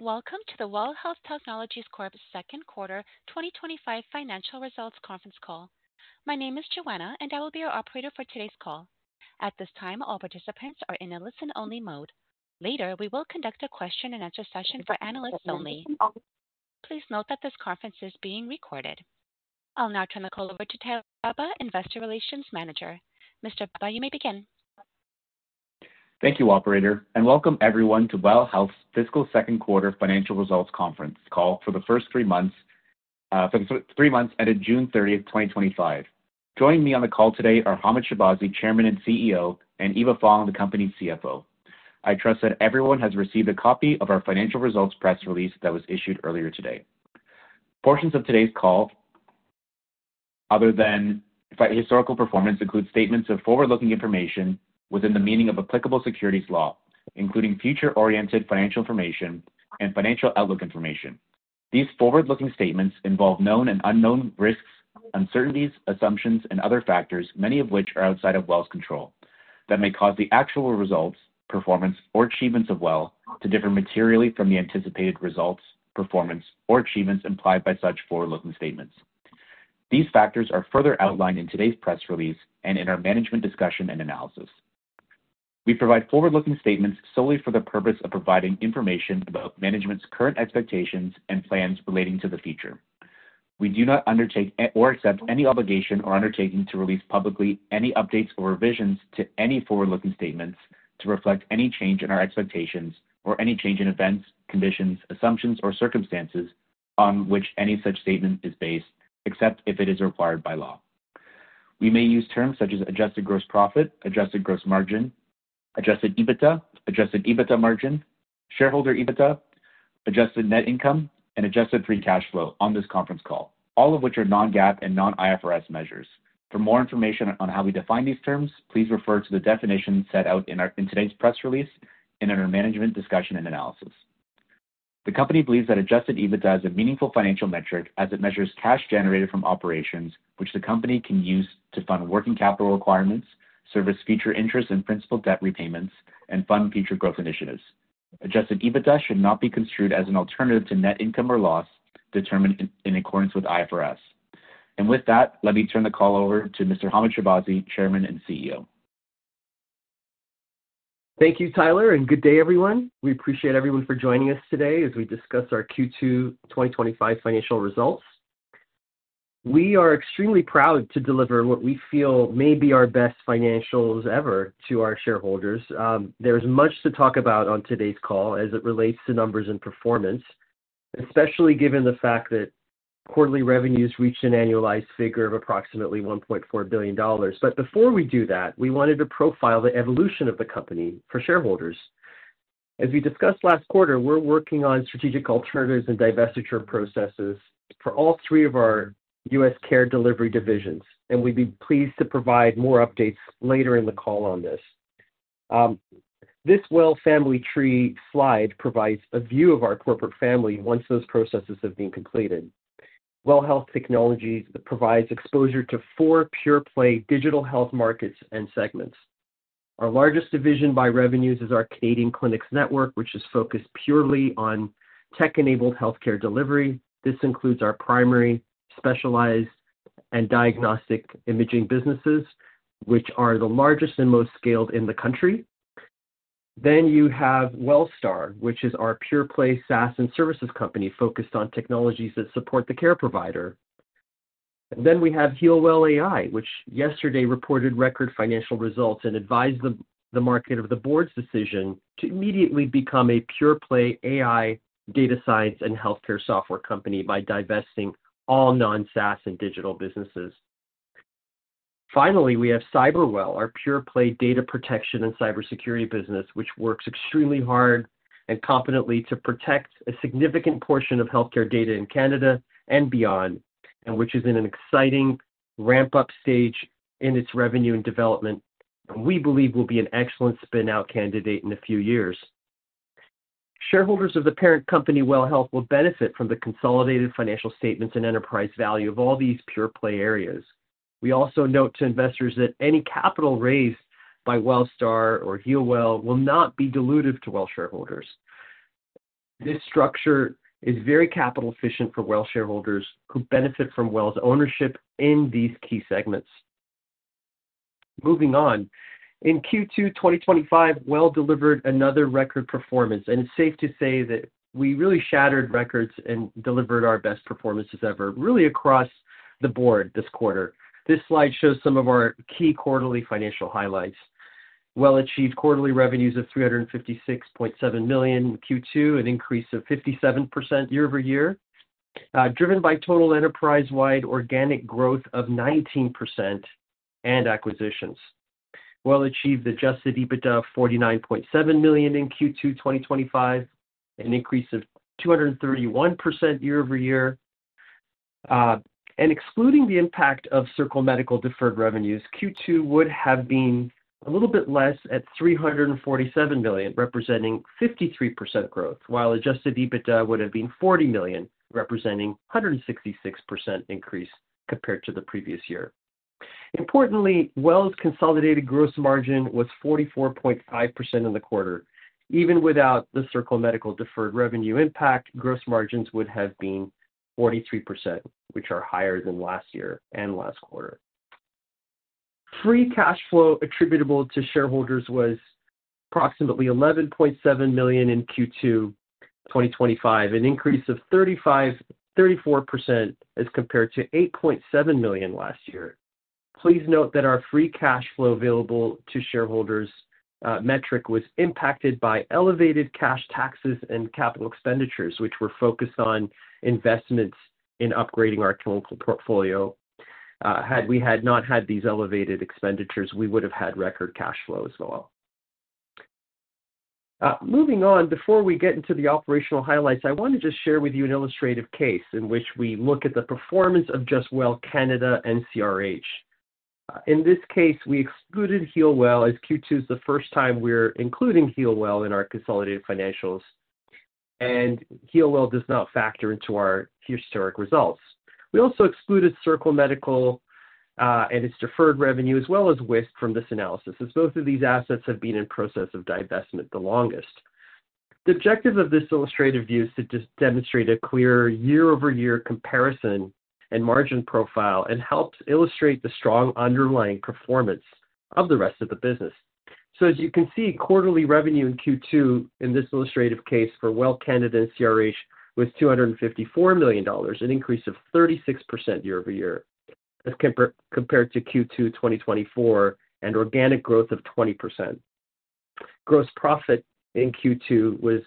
Welcome to the WELL Health Technologies Corp's Second Quarter 2025 Financial Results Conference Call. My name is Joanna, and I will be your operator for today's call. At this time, all participants are in a listen-only mode. Later, we will conduct a question-and-answer session for analysts only. Please note that this conference is being recorded. I'll now turn the call over to Tayo Baba, Investor Relations Manager. Mr. Baba, you may begin. Thank you, operator, and welcome everyone to WELL Health's Fiscal Second Quarter Financial Results Conference Call for the first three months ending June 30th, 2025. Joining me on the call today are Hamed Shahbazi, Chairman and CEO, and Eva Fong, the company's CFO. I trust that everyone has received a copy of our financial results press release that was issued earlier today. Portions of today's call, other than historical performance, include statements of forward-looking information within the meaning of applicable securities law, including future-oriented financial information and financial outlook information. These forward-looking statements involve known and unknown risks, uncertainties, assumptions, and other factors, many of which are outside of WELL's control, that may cause the actual results, performance, or achievements of WELL to differ materially from the anticipated results, performance, or achievements implied by such forward-looking statements. These factors are further outlined in today's press release and in our management discussion and analysis. We provide forward-looking statements solely for the purpose of providing information about management's current expectations and plans relating to the future. We do not undertake or accept any obligation or undertaking to release publicly any updates or revisions to any forward-looking statements to reflect any change in our expectations or any change in events, conditions, assumptions, or circumstances on which any such statement is based, except if it is required by law. We may use terms such as adjusted gross profit, adjusted gross margin, adjusted EBITDA, adjusted EBITDA margin, shareholder EBITDA, adjusted net income, and adjusted free cash flow on this conference call, all of which are non-GAAP and non-IFRS measures. For more information on how we define these terms, please refer to the definition set out in today's press release and in our management discussion and analysis. The company believes that adjusted EBITDA is a meaningful financial metric as it measures cash generated from operations, which the company can use to fund working capital requirements, service future interest and principal debt repayments, and fund future growth initiatives. Adjusted EBITDA should not be construed as an alternative to net income or loss determined in accordance with IFRS. With that, let me turn the call over to Mr. Hamed Shahbazi, Chairman and CEO. Thank you, Tyler, and good day, everyone. We appreciate everyone for joining us today as we discuss our Q2 2025 financial results. We are extremely proud to deliver what we feel may be our best financials ever to our shareholders. There is much to talk about on today's call as it relates to numbers and performance, especially given the fact that quarterly revenues reach an annualized figure of approximately $1.4 billion. Before we do that, we wanted to profile the evolution of the company for shareholders. As we discussed last quarter, we are working on strategic alternatives and divestiture processes for all three of our U.S., care delivery divisions, and we would be pleased to provide more updates later in the call on this. This WELL family tree slide provides a view of our corporate family once those processes have been completed. WELL Health Technologies provides exposure to four pure-play digital health markets and segments. Our largest division by revenues is our Canadian Clinics Network, which is focused purely on tech-enabled healthcare delivery. This includes our primary, specialized, and diagnostic imaging businesses, which are the largest and most scaled in the country. You have Wellstar, which is our pure-play SaaS and services company focused on technologies that support the care provider. We have HEALWELL AI, which yesterday reported record financial results and advised the market of the board's decision to immediately become a pure-play AI data science and healthcare software company by divesting all non-SaaS and digital businesses. Finally, we have CyberWell, our pure-play data protection and cybersecurity business, which works extremely hard and competently to protect a significant portion of healthcare data in Canada and beyond, and which is in an exciting ramp-up stage in its revenue and development, and we believe will be an excellent spin-out candidate in a few years. Shareholders of the parent company, WELL Health, will benefit from the consolidated financial statements and enterprise value of all these pure-play areas. We also note to investors that any capital raised by Wellstar or HEALWELL will not be diluted to WELL shareholders. This structure is very capital efficient for WELL shareholders who benefit from WELL's ownership in these key segments. Moving on, in Q2 2025, WELL delivered another record performance, and it's safe to say that we really shattered records and delivered our best performances ever, really across the board this quarter. This slide shows some of our key quarterly financial highlights. WELL achieved quarterly revenues of $356.7 million in Q2, an increase of 57% year-over-year, driven by total enterprise-wide organic growth of 19% and acquisitions. WELL achieved adjusted EBITDA of $49.7 million in Q2 2025, an increase of 231% year-over-year. Excluding the impact of Circle Medical deferred revenues, Q2 would have been a little bit less at $347 million, representing 53% growth, while adjusted EBITDA would have been $40 million, representing a 166% increase compared to the previous year. Importantly, WELL's consolidated gross margin was 44.5% in the quarter. Even without the Circle Medical deferred revenue impact, gross margins would have been 43%, which are higher than last year and last quarter. Free cash flow attributable to shareholders was approximately $11.7 million in Q2 2025, an increase of 34% as compared to $8.7 million last year. Please note that our free cash flow available to shareholders metric was impacted by elevated cash taxes and capital expenditures, which were focused on investments in upgrading our clinical portfolio. Had we not had these elevated expenditures, we would have had record cash flow as well. Moving on, before we get into the operational highlights, I want to just share with you an illustrative case in which we look at the performance of just WELL Canada and CRH. In this case, we excluded HEALWELL AI as Q2 is the first time we're including HEALWELL in our consolidated financials, and HEALWELL does not factor into our historic results. We also excluded Circle Medical and its deferred revenue, as well as WISP from this analysis, as both of these assets have been in the process of divestment the longest. The objective of this illustrative view is to demonstrate a clear year-over-year comparison and margin profile and helps illustrate the strong underlying performance of the rest of the business. As you can see, quarterly revenue in Q2 in this illustrative case fo WELL Canada and CRH was $254 million, an increase of 36% year-over-year, as compared to Q2 2024, and organic growth of 20%. Gross profit in Q2 was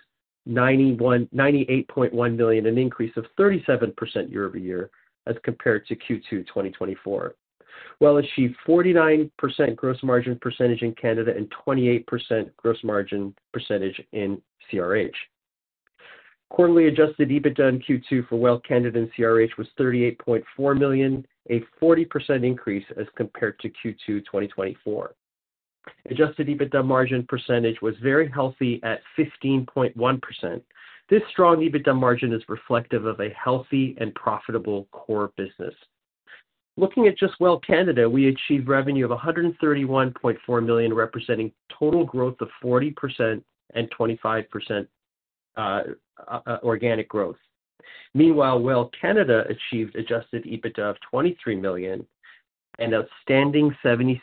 $98.1 million, an increase of 37% year-over-year, as compared to Q2 2024. WELL achieved 49% gross margin percentage in Canada and 28% gross margin percentage in CRH. Quarterly adjusted EBITDA in Q2 for WELL Canada and CRH was $38.4 million, a 40% increase as compared to Q2 2024. Adjusted EBITDA margin percentage was very healthy at 15.1%. This strong EBITDA margin is reflective of a healthy and profitable core business. Looking at just WELL Canada, we achieved revenue of $131.4 million, representing total growth of 40% and 25% organic growth. Meanwhile, WELL Canada achieved adjusted EBITDA of $23 million, an outstanding 76%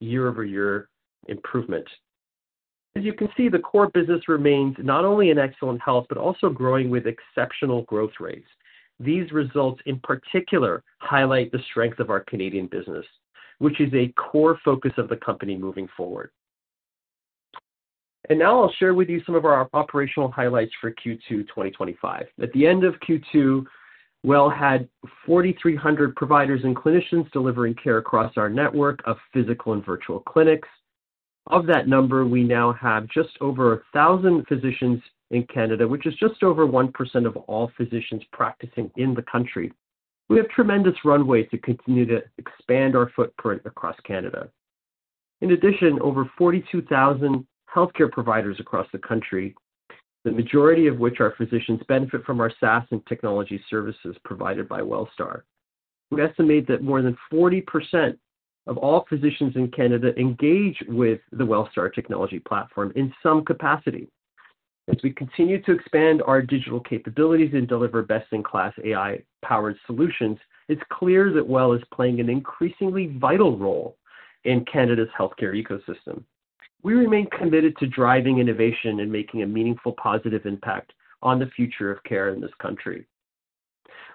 year-over-year improvement. As you can see, the core business remains not only in excellent health but also growing with exceptional growth rates. These results, in particular, highlight the strength of our Canadian business, which is a core focus of the company moving forward. Now I'll share with you some of our operational highlights for Q2 2025. At the end of Q2, WELL had 4,300 providers and clinicians delivering care across our network of physical and virtual clinics. Of that number, we now have just over 1,000 physicians in Canada, which is just over 1% of all physicians practicing in the country. We have tremendous runway to continue to expand our footprint across Canada. In addition, over 42,000 healthcare providers across the country, the majority of which are physicians, benefit from our SaaS and technology services provided by Wellstar. We estimate that more than 40% of all physicians in Canada engage with the Wellstar technology platform in some capacity. As we continue to expand our digital capabilities and deliver best-in-class AI-powered solutions, it's clear that WELL Health is playing an increasingly vital role in Canada's healthcare ecosystem. We remain committed to driving innovation and making a meaningful positive impact on the future of care in this country.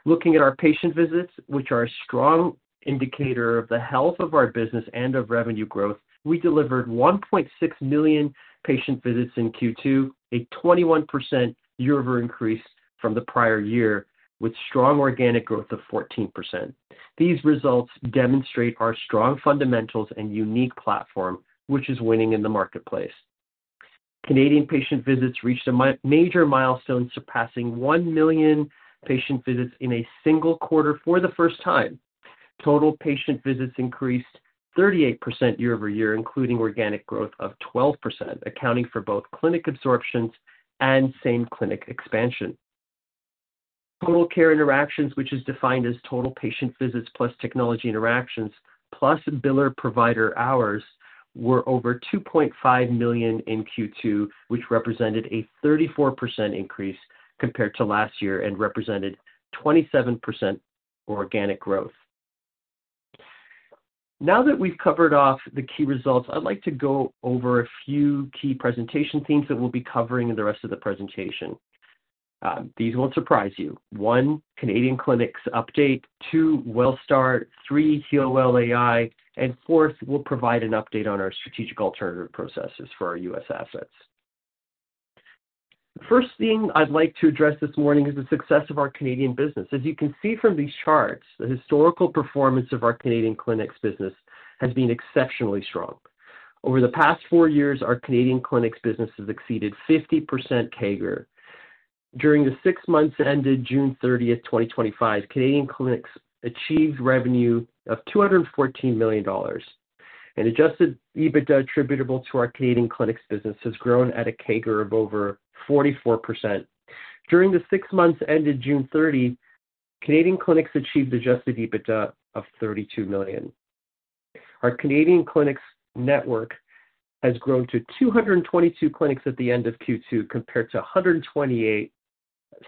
Looking at our patient visits, which are a strong indicator of the health of our business and of revenue growth, we delivered 1.6 million patient visits in Q2, a 21% year-over-year increase from the prior year, with strong organic growth of 14%. These results demonstrate our strong fundamentals and unique platform, which is winning in the marketplace. Canadian patient visits reached a major milestone, surpassing 1 million patient visits in a single quarter for the first time. Total patient visits increased 38% year-over-year, including organic growth of 12%, accounting for both clinic absorptions and same-clinic expansion. Total care interactions, which is defined as total patient visits plus technology interactions plus biller provider hours, were over 2.5 million in Q2, which represented a 34% increase compared to last year and represented 27% organic growth. Now that we've covered off the key results, I'd like to go over a few key presentation themes that we'll be covering in the rest of the presentation. These won't surprise you. One, Canadian Clinics update. Two, Wellstar. Three, HEALWELL AI. Fourth, we'll provide an update on our strategic alternative processes for our U.S., assets. The first thing I'd like to address this morning is the success of our Canadian business. As you can see from these charts, the historical performance of our Canadian Clinics business has been exceptionally strong. Over the past four years, our Canadian Clinics business has exceeded 50% CAGR. During the six months ended June 30th, 2025, Canadian Clinics achieved revenue of $214 million, and adjusted EBITDA attributable to our Canadian Clinics business has grown at a CAGR of over 44%. During the six months ended June 30, Canadian Clinics achieved adjusted EBITDA of $32 million. Our Canadian Clinics network has grown to 222 clinics at the end of Q2 compared to 128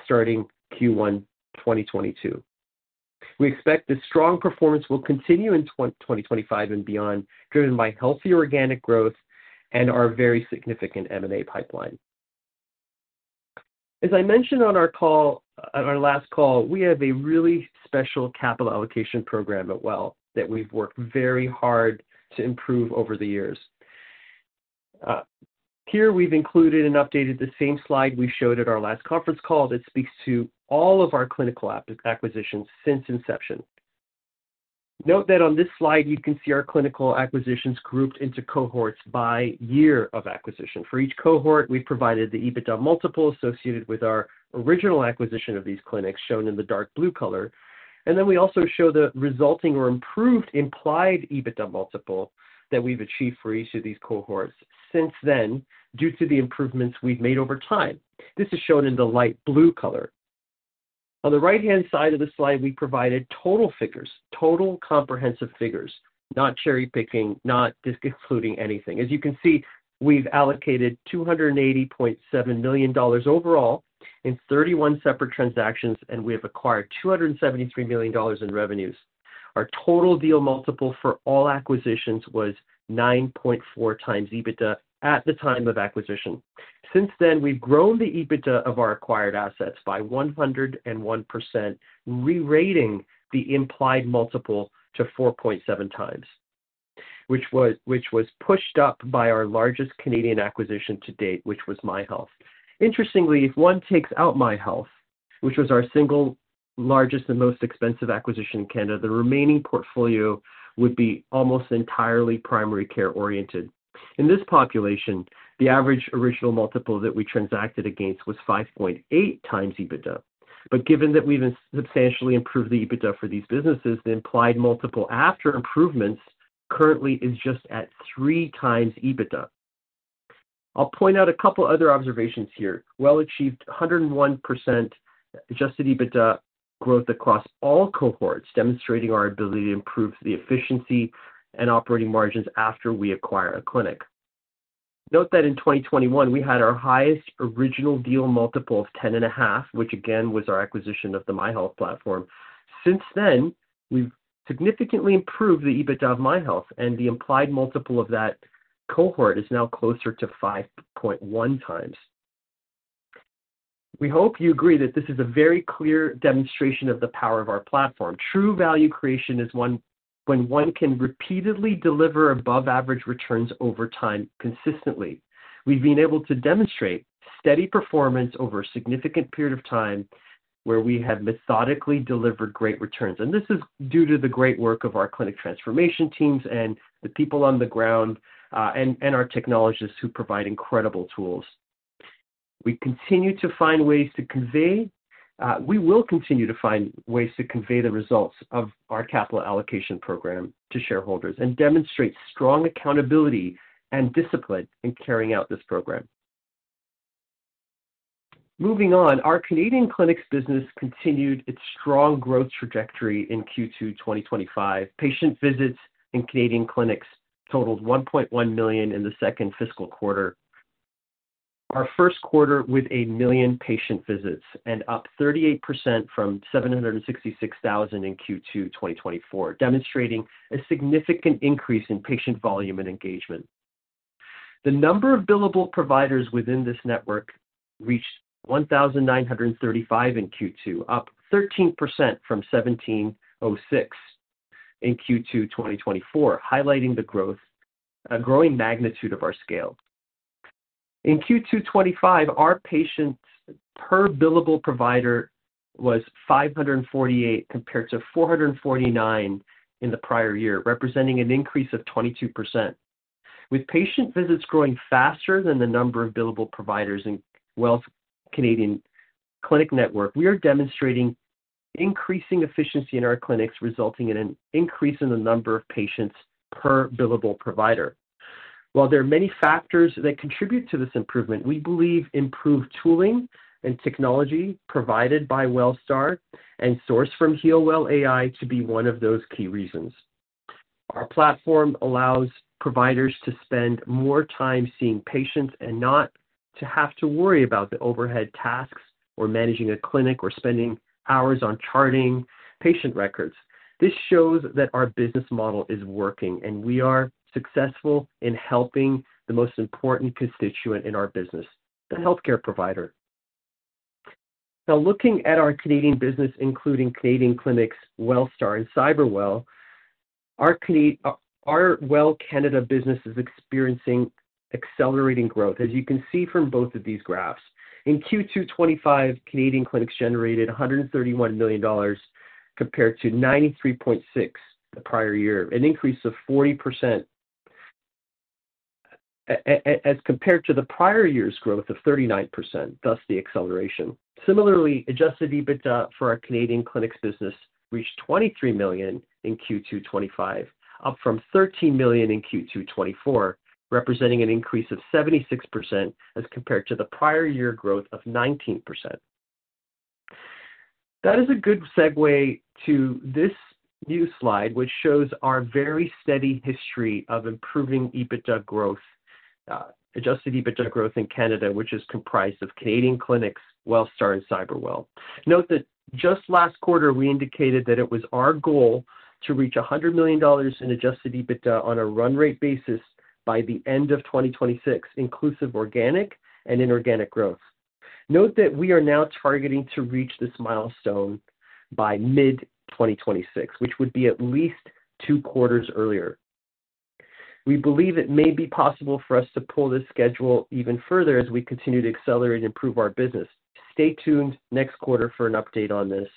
starting Q1 2022. We expect this strong performance will continue in 2025 and beyond, driven by healthy organic growth and our very significant M&A pipeline. As I mentioned on our last call, we have a really special capital allocation program at WELL that we've worked very hard to improve over the years. Here, we've included and updated the same slide we showed at our last conference call that speaks to all of our clinical acquisitions since inception. Note that on this slide, you can see our clinical acquisitions grouped into cohorts by year of acquisition. For each cohort, we've provided the EBITDA multiple associated with our original acquisition of these clinics, shown in the dark blue color. We also show the resulting or improved implied EBITDA multiple that we've achieved for each of these cohorts since then due to the improvements we've made over time. This is shown in the light blue color. On the right-hand side of the slide, we provided total figures, total comprehensive figures, not cherry-picking, not disconcluding anything. As you can see, we've allocated $280.7 million overall in 31 separate transactions, and we have acquired $273 million in revenues. Our total deal multiple for all acquisitions was 9.4x EBITDA at the time of acquisition. Since then, we've grown the EBITDA of our acquired assets by 101%, rerating the implied multiple to 4.7x, which was pushed up by our largest Canadian acquisition to date, which was MyHealth. Interestingly, if one takes out MyHealth, which was our single largest and most expensive acquisition in Canada, the remaining portfolio would be almost entirely primary care-oriented. In this population, the average original multiple that we transacted against was 5.8x EBITDA. Given that we've substantially improved the EBITDA for these businesses, the implied multiple after improvements currently is just at 3x EBITDA. I'll point out a couple of other observations here. WELL achieved 101% adjusted EBITDA growth across all cohorts, demonstrating our ability to improve the efficiency and operating margins after we acquire a clinic. Note that in 2021, we had our highest original deal multiple of 10.5, which again was our acquisition of the MyHealth platform. Since then, we've significantly improved the EBITDA of MyHealth, and the implied multiple of that cohort is now closer to 5.1x. We hope you agree that this is a very clear demonstration of the power of our platform. True value creation is when one can repeatedly deliver above-average returns over time consistently. We've been able to demonstrate steady performance over a significant period of time where we have methodically delivered great returns. This is due to the great work of our clinic transformation teams and the people on the ground and our technologists who provide incredible tools. We continue to find ways to convey, we will continue to find ways to convey the results of our capital allocation program to shareholders and demonstrate strong accountability and discipline in carrying out this program. Moving on, our Canadian Clinics Network business continued its strong growth trajectory in Q2 2025. Patient visits in Canadian clinics totaled 1.1 million in the second fiscal quarter, our first quarter with a million patient visits and up 38% from 766,000 in Q2 2024, demonstrating a significant increase in patient volume and engagement. The number of billable providers within this network reached 1,935 in Q2, up 13% from 1,706 in Q2 2024, highlighting the growth, a growing magnitude of our scale. In Q2 2025, our patient per billable provider was 548 compared to 449 in the prior year, representing an increase of 22%. With patient visits growing faster than the number of billable providers in WEL Canadian Clinics Network, we are demonstrating increasing efficiency in our clinics, resulting in an increase in the number of patients per billable provider. While there are many factors that contribute to this improvement, we believe improved tooling and technology provided by Wellstar and sourced from HEALWELL AI to be one of those key reasons. Our platform allows providers to spend more time seeing patients and not to have to worry about the overhead tasks or managing a clinic or spending hours on charting patient records. This shows that our business model is working and we are successful in helping the most important constituent in our business, the healthcare provider. Now, looking at our Canadian business, including Canadian Clinics Network, Wellstar, and Cyberwell, our WELL Canada business is experiencing accelerating growth, as you can see from both of these graphs. In Q2 2025, Canadian Clinics Network generated $131 million compared to $93.6 million the prior year, an increase of 40% as compared to the prior year's growth of 39%, thus the acceleration. Similarly, adjusted EBITDA for our Canadian Clinics Network business reached $23 million in Q2 2025, up from $13 million in Q2 2024, representing an increase of 76% as compared to the prior year growth of 19%. That is a good segue to this new slide, which shows our very steady history of improving EBITDA growth, adjusted EBITDA growth in Canada, which is comprised of Canadian Clinics Network, Wellstar, and Cyberwell. Note that just last quarter, we indicated that it was our goal to reach $100 million in adjusted EBITDA on a run-rate basis by the end of 2026, inclusive of organic and inorganic growth. Note that we are now targeting to reach this milestone by mid-2026, which would be at least two quarters earlier. We believe it may be possible for us to pull this schedule even further as we continue to accelerate and improve our business. Stay tuned next quarter for an update on this.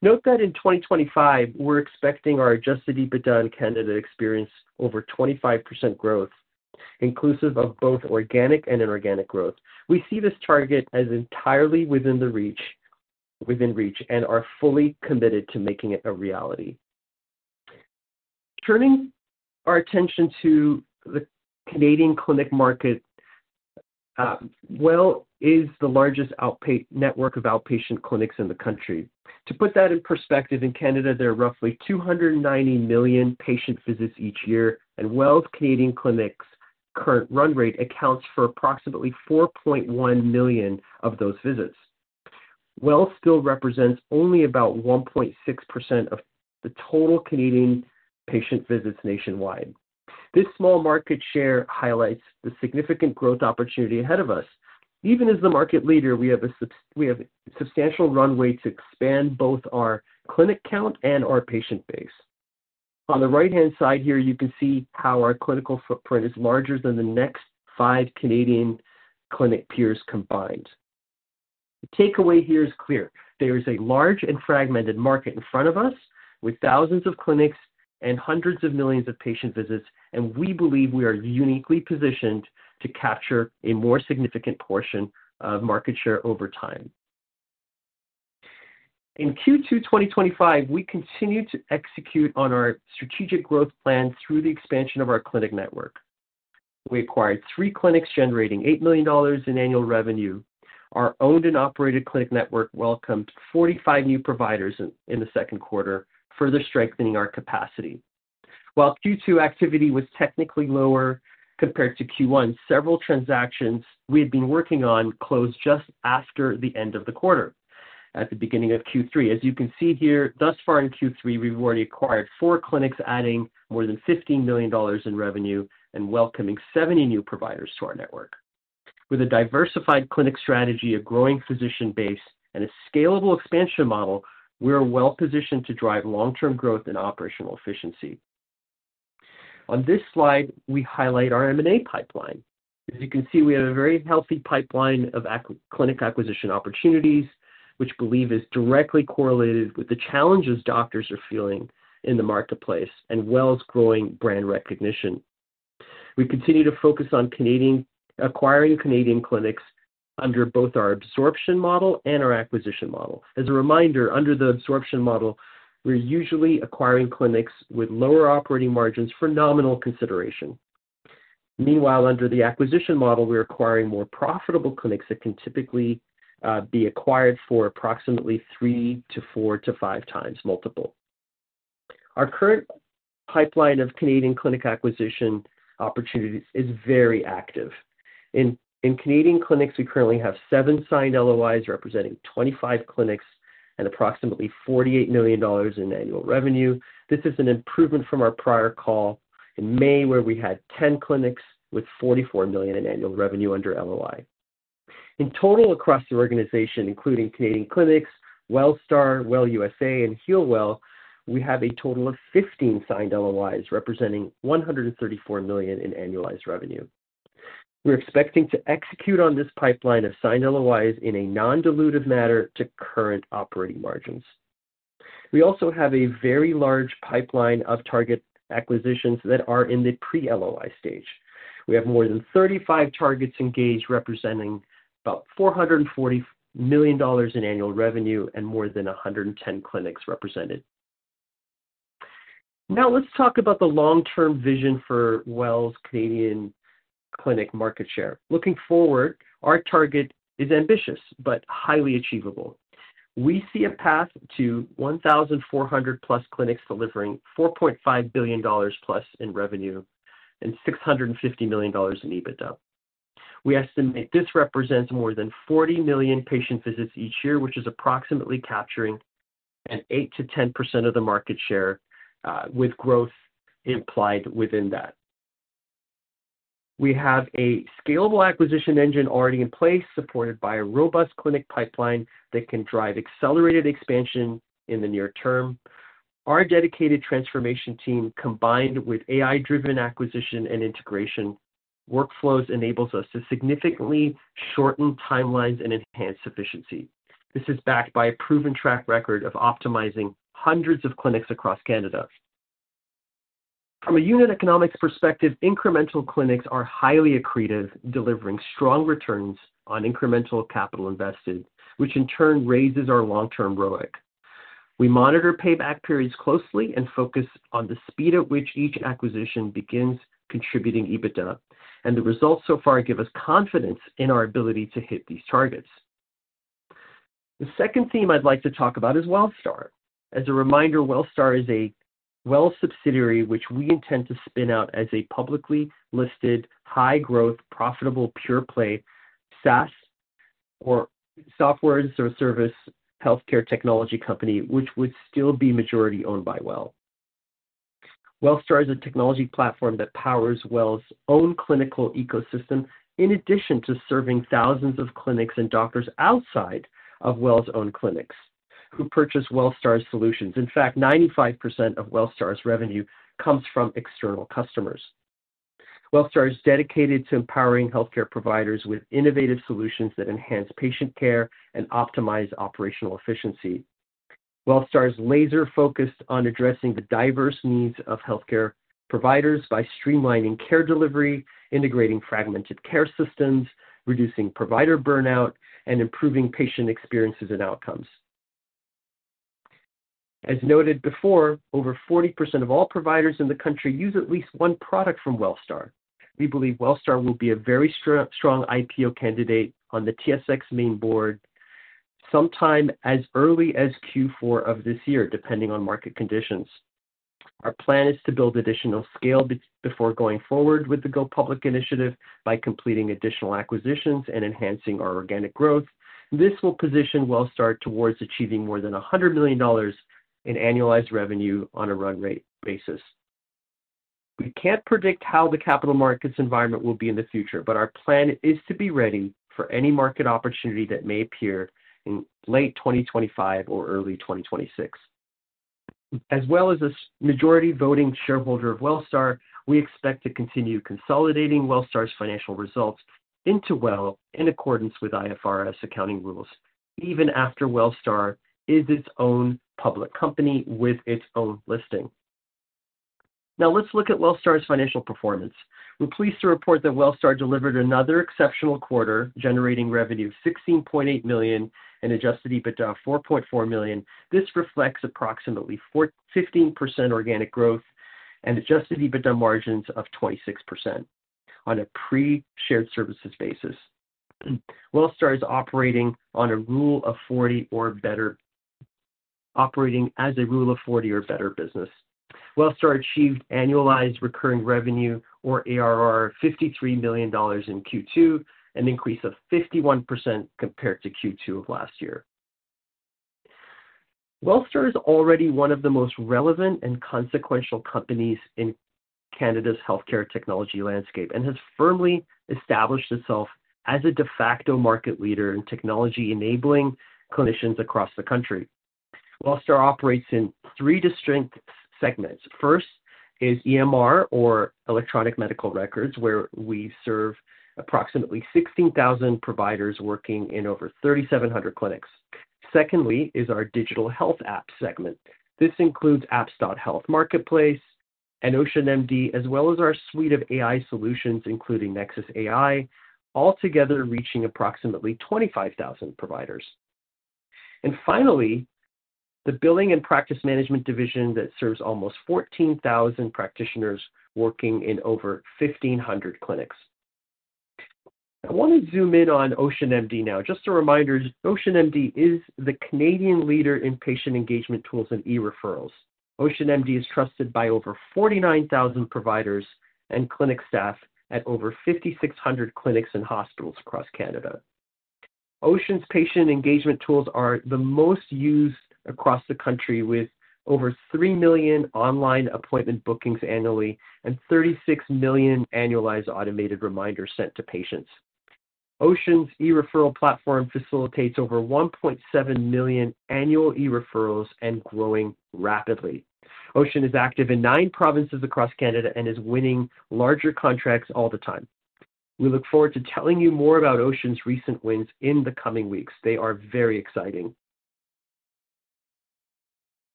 Note that in 2025, we're expecting our adjusted EBITDA in Canada to experience over 25% growth, inclusive of both organic and inorganic growth. We see this target as entirely within reach, and are fully committed to making it a reality. Turning our attention to the Canadian clinic market, WEL is the largest network of outpatient clinics in the country. To put that in perspective, in Canada, there are roughly 290 million patient visits each year, and WELL's Canadian clinics' current run rate accounts for approximately 4.1 million of those visits. WELL still represents only about 1.6% of the total Canadian patient visits nationwide. This small market share highlights the significant growth opportunity ahead of us. Even as the market leader, we have a substantial runway to expand both our clinic count and our patient base. On the right-hand side here, you can see how our clinical footprint is larger than the next five Canadian clinic peers combined. The takeaway here is clear. There is a large and fragmented market in front of us with thousands of clinics and hundreds of millions of patient visits, and we believe we are uniquely positioned to capture a more significant portion of market share over time. In Q2 2025, we continue to execute on our strategic growth plan through the expansion of our clinic network. We acquired three clinics generating $8 million in annual revenue. Our owned and operated clinic network welcomed 45 new providers in the second quarter, further strengthening our capacity. While Q2 activity was technically lower compared to Q1, several transactions we had been working on closed just after the end of the quarter, at the beginning of Q3. As you can see here, thus far in Q3, we've already acquired four clinics, adding more than $15 million in revenue and welcoming 70 new providers to our network. With a diversified clinic strategy, a growing physician base, and a scalable expansion model, we're well positioned to drive long-term growth and operational efficiency. On this slide, we highlight our M&A pipeline. As you can see, we have a very healthy pipeline of clinic acquisition opportunities, which we believe is directly correlated with the challenges doctors are feeling in the marketplace and WELL's growing brand recognition. We continue to focus on acquiring Canadian clinics under both our absorption model and our acquisition model. As a reminder, under the absorption model, we're usually acquiring clinics with lower operating margins for nominal consideration. Meanwhile, under the acquisition model, we're acquiring more profitable clinics that can typically be acquired for approximately three to four to five times multiple. Our current pipeline of Canadian clinic acquisition opportunities is very active. In Canadian Clinics, we currently have seven signed LOIs representing 25 clinics and approximately $48 million in annual revenue. This is an improvement from our prior call in May, where we had 10 clinics with $44 million in annual revenue under LOI. In total, across the organization, including Canadian Clinics, Wellstar, Well USA, and HEALWELL, we have a total of 15 signed LOIs representing $134 million in annualized revenue. We're expecting to execute on this pipeline of signed LOIs in a non-dilutive manner to current operating margins. We also have a very large pipeline of target acquisitions that are in the pre-LOI stage. We have more than 35 targets engaged, representing about $440 million in annual revenue and more than 110 clinics represented. Now, let's talk about the long-term vision for WELL's Canadian clinic market share. Looking forward, our target is ambitious but highly achievable. We see a path to 1,400+ clinics delivering $4.5 billion plus in revenue and $650 million in EBITDA. We estimate this represents more than 40 million patient visits each year, which is approximately capturing an 8%-10% of the market share with growth implied within that. We have a scalable acquisition engine already in place, supported by a robust clinic pipeline that can drive accelerated expansion in the near term. Our dedicated transformation team, combined with AI-driven acquisition and integration workflows, enables us to significantly shorten timelines and enhance efficiency. This is backed by a proven track record of optimizing hundreds of clinics across Canada. From a unit economics perspective, incremental clinics are highly accretive, delivering strong returns on incremental capital invested, which in turn raises our long-term ROIC. We monitor payback periods closely and focus on the speed at which each acquisition begins contributing EBITDA, and the results so far give us confidence in our ability to hit these targets. The second theme I'd like to talk about is Wellstar. As a reminder, Wellstar is a WELL subsidiary, which we intend to spin out as a publicly listed, high-growth, profitable pure-play SaaS or software as a service healthcare technology company, which would still be majority owned by WELL. Wellstar is a technology platform that powers WELL's own clinical ecosystem, in addition to serving thousands of clinics and doctors outside of WELL's own clinics who purchase Wellstar's solutions. In fact, 95% of Wellstar's revenue comes from external customers. Wellstar is dedicated to empowering healthcare providers with innovative solutions that enhance patient care and optimize operational efficiency. Wellstar is laser-focused on addressing the diverse needs of healthcare providers by streamlining care delivery, integrating fragmented care systems, reducing provider burnout, and improving patient experiences and outcomes. As noted before, over 40% of all providers in the country use at least one product from Wellstar. We believe Wellstar will be a very strong IPO candidate on the TSX main board sometime as early as Q4 of this year, depending on market conditions. Our plan is to build additional scale before going forward with the GoPublic initiative by completing additional acquisitions and enhancing our organic growth. This will position Wellstar towards achieving more than $100 million in annualized revenue on a run-rate basis. We can't predict how the capital markets environment will be in the future, but our plan is to be ready for any market opportunity that may appear in late 2025 or early 2026. As a majority voting shareholder of Wellstar, we expect to continue consolidating Wellstar's financial results into WELL in accordance with IFRS accounting rules, even after Wellstar is its own public company with its own listing. Now, let's look at Wellstar's financial performance. We're pleased to report that Wellstar delivered another exceptional quarter, generating revenue of $16.8 million and adjusted EBITDA of $4.4 million. This reflects approximately 15% organic growth and adjusted EBITDA margins of 26% on a pre-shared services basis. Wellstar is operating on a rule of 40 or better, operating as a rule of 40 or better business. Wellstar achieved annualized recurring revenue, or ARR, of $53 million in Q2, an increase of 51% compared to Q2 of last year. Wellstar is already one of the most relevant and consequential companies in Canada's healthcare technology landscape and has firmly established itself as a de facto market leader in technology enabling clinicians across the country. Wellstar operates in three distinct segments. First is EMR, or electronic medical records, where we serve approximately 16,000 providers working in over 3,700 clinics. Secondly is our digital health app segment. This includes apps.health marketplace and OceanMD, as well as our suite of AI solutions, including Nexus AI, altogether reaching approximately 25,000 providers. Finally, the billing and practice management division serves almost 14,000 practitioners working in over 1,500 clinics. I want to zoom in on OceanMD now. Just a reminder, OceanMD is the Canadian leader in patient engagement tools and e-referrals. OceanMD is trusted by over 49,000 providers and clinic staff at over 5,600 clinics and hospitals across Canada. Ocean's patient engagement tools are the most used across the country, with over 3 million online appointment bookings annually and 36 million annualized automated reminders sent to patients. Ocean's e-referral platform facilitates over 1.7 million annual e-referrals and is growing rapidly. Ocean is active in nine provinces across Canada and is winning larger contracts all the time. We look forward to telling you more about Ocean's recent wins in the coming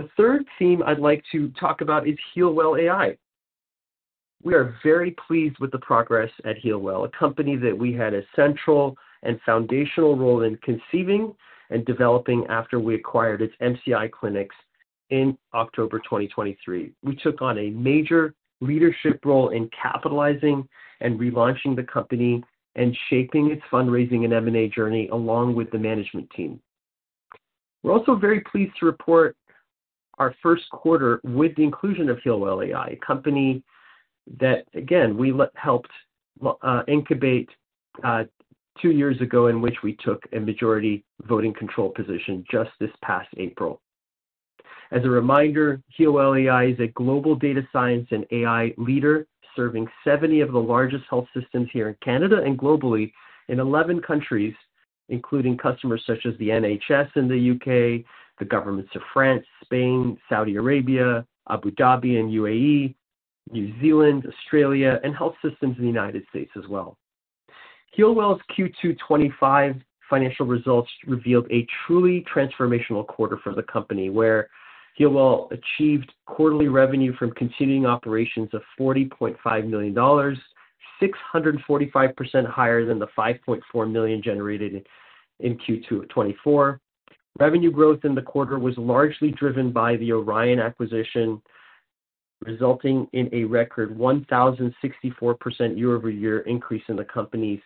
weeks. They are very exciting. The third theme I'd like to talk about is HEALWELL AI. We are very pleased with the progress at HEALWELL, a company that we had a central and foundational role in conceiving and developing after we acquired its MCI clinics in October 2023. We took on a major leadership role in capitalizing and relaunching the company and shaping its fundraising and M&A journey, along with the management team. We're also very pleased to report our first quarter with the inclusion of HEALWELL AI, a company that, again, we helped incubate two years ago, in which we took a majority voting control position just this past April. As a reminder, HEALWELL AI is a global data science and AI leader, serving 70 of the largest health systems here in Canada and globally in 11 countries, including customers such as the NHS in the U.K., the governments of France, Spain, Saudi Arabia, Abu Dhabi, and UAE, New Zealand, Australia, and health systems in the United States as well. HEALWELL's Q2 2025 financial results revealed a truly transformational quarter for the company, where HEALWELL achieved quarterly revenue from continuing operations of $40.5 million, 645% higher than the $5.4 million generated in Q2 of 2024. Revenue growth in the quarter was largely driven by the Orion acquisition, resulting in a record 1,064% year-over-year increase in the company's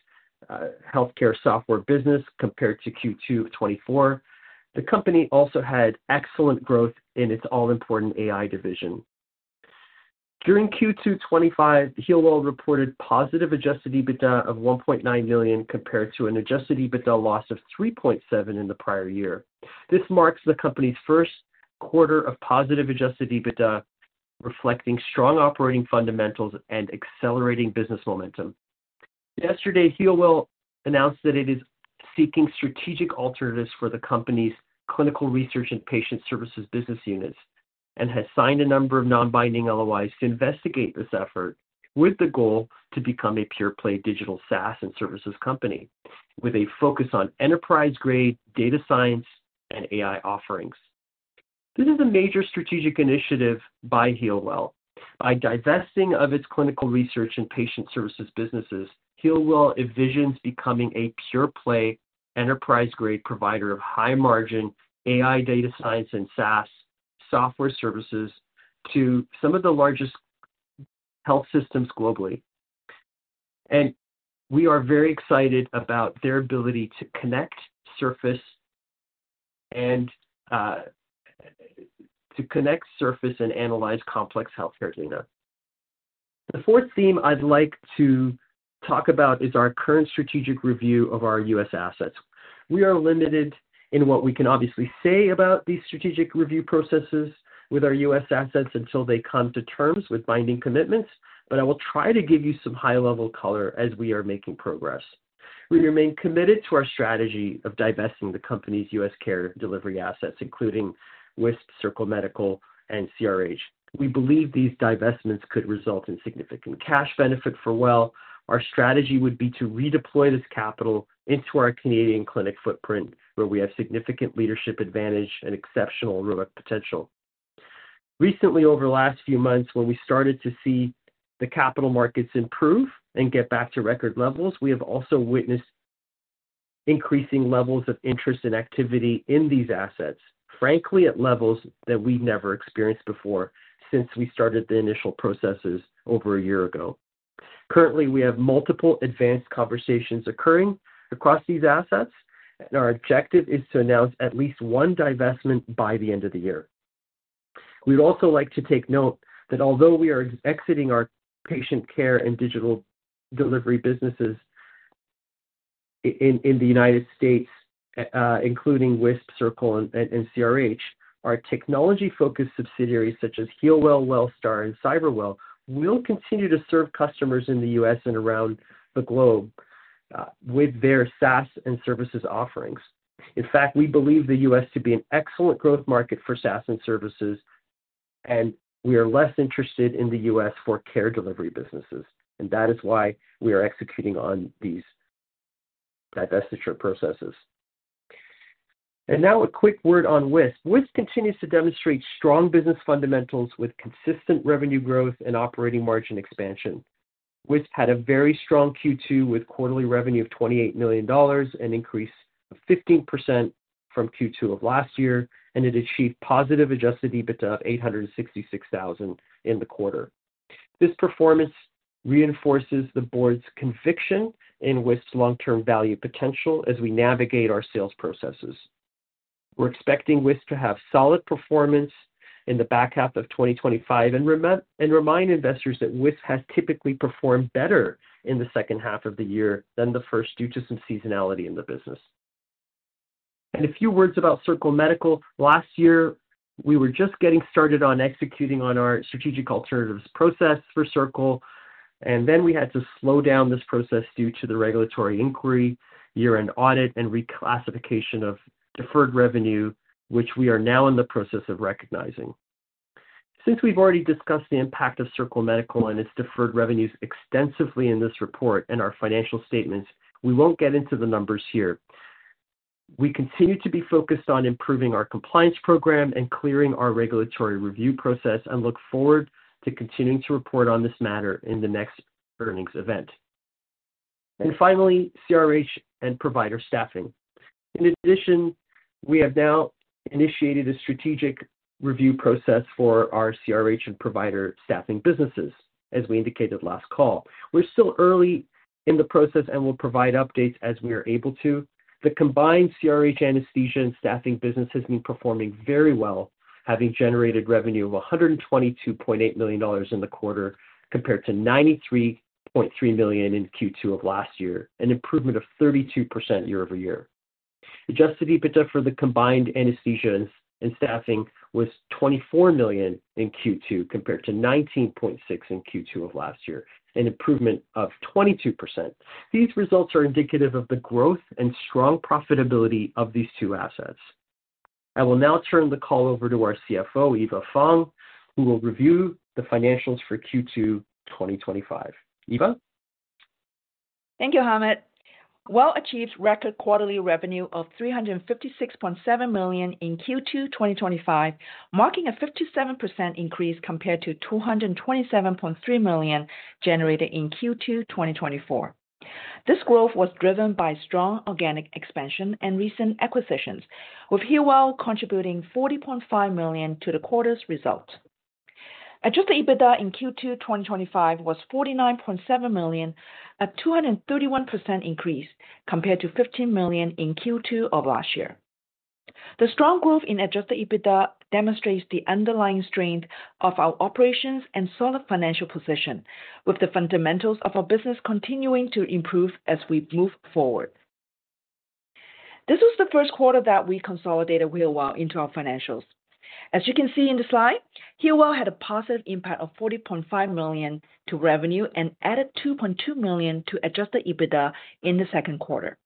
healthcare software business compared to Q2 of 2024. The company also had excellent growth in its all-important AI division. During Q2 2025, HEALWELL reported positive adjusted EBITDA of $1.9 million compared to an adjusted EBITDA loss of $3.7 million in the prior year. This marks the company's first quarter of positive adjusted EBITDA, reflecting strong operating fundamentals and accelerating business momentum. Yesterday, HEALWELL announced that it is seeking strategic alternatives for the company's clinical research and patient services business units and has signed a number of non-binding LOIs to investigate this effort with the goal to become a pure-play digital SaaS and services company, with a focus on enterprise-grade data science and AI offerings. This is a major strategic initiative by HEALWELL AI. By divesting its clinical research and patient services businesses, HEALWELL AI envisions becoming a pure-play enterprise-grade provider of high-margin AI data science and SaaS software services to some of the largest health systems globally. We are very excited about their ability to connect, surface, and analyze complex healthcare data. The fourth theme I'd like to talk about is our current strategic review of our U.S., assets. We are limited in what we can obviously say about these strategic review processes with our U.S., assets until they come to terms with binding commitments, but I will try to give you some high-level color as we are making progress. We remain committed to our strategy of divesting the company's U.S., care delivery assets, including Wisp, Circle Medical, and CRH. We believe these divestments could result in significant cash benefit for WELL. Our strategy would be to redeploy this capital into our Canadian Clinics Network footprint, where we have significant leadership advantage and exceptional robot potential. Recently, over the last few months, when we started to see the capital markets improve and get back to record levels, we have also witnessed increasing levels of interest and activity in these assets, frankly, at levels that we never experienced before since we started the initial processes over a year ago. Currently, we have multiple advanced conversations occurring across these assets, and our objective is to announce at least one divestment by the end of the year. We'd also like to take note that although we are exiting our patient care and digital delivery businesses in the United States., including Wisp, Circle, and CRH. Our technology-focused subsidiaries such as HEALWELL, Wellstar, and Cyberwell will continue to serve customers in the U.S., and around the globe with their SaaS and services offerings In fact, we believe the U.S., to be an excellent growth market for SaaS and services, and we are less interested in the U.S., for care delivery businesses, which is why we are executing on these divestiture processes. A quick word on Wisp. Wisp continues to demonstrate strong business fundamentals with consistent revenue growth and operating margin expansion. Wisp had a very strong Q2 with quarterly revenue of $28 million, an increase of 15% from Q2 of last year, and it achieved positive adjusted EBITDA of $866,000 in the quarter. This performance reinforces the board's conviction in Wisp's long-term value potential as we navigate our sales processes. We're expecting Wisp to have solid performance in the back half of 2025 and remind investors that Wisp has typically performed better in the second half of the year than the first due to some seasonality in the business. A few words about Circle Medical. Last year, we were just getting started on executing on our strategic alternatives process for Circle. and then we had to slow down this process due to the regulatory inquiry, year-end audit, and reclassification of deferred revenue, which we are now in the process of recognizing. Since we've already discussed the impact of Circle Medical and its deferred revenues extensively in this report and our financial statements, we won't get into the numbers here. We continue to be focused on improving our compliance program and clearing our regulatory review process and look forward to continuing to report on this matter in the next earnings event. Finally, CRH and provider staffing. In addition, we have now initiated a strategic review process for our CRH and provider staffing businesses, as we indicated last call. We're still early in the process and will provide updates as we are able to. The combined CRH anesthesia and staffing business has been performing very well, having generated revenue of $122.8 million in the quarter compared to $93.3 million in Q2 of last year, an improvement of 32% year-over-year. Adjusted EBITDA for the combined anesthesia and staffing was $24 million in Q2 compared to $19.6 million in Q2 of last year, an improvement of 22%. These results are indicative of the growth and strong profitability of these two assets. I will now turn the call over to our CFO, Eva Fong, who will review the financials for Q2 2025. Eva. Thank you, Hamed. WELL achieved record quarterly revenue of $356.7 million in Q2 2025, marking a 57% increase compared to $227.3 million generated in Q2 2024. This growth was driven by strong organic expansion and recent acquisitions, with HEALWELL contributing $40.5 million to the quarter's results. Adjusted EBITDA in Q2 2025 was $49.7 million, a 231% increase compared to $15 million in Q2 of last year. The strong growth in adjusted EBITDA demonstrates the underlying strength of our operations and solid financial position, with the fundamentals of our business continuing to improve as we move forward. This was the first quarter that we consolidated HEALWELL into our financials. As you can see in the slide, HEALWELL had a positive impact of $40.5 million to revenue and added $2.2 million to adjusted EBITDA in the second quarter.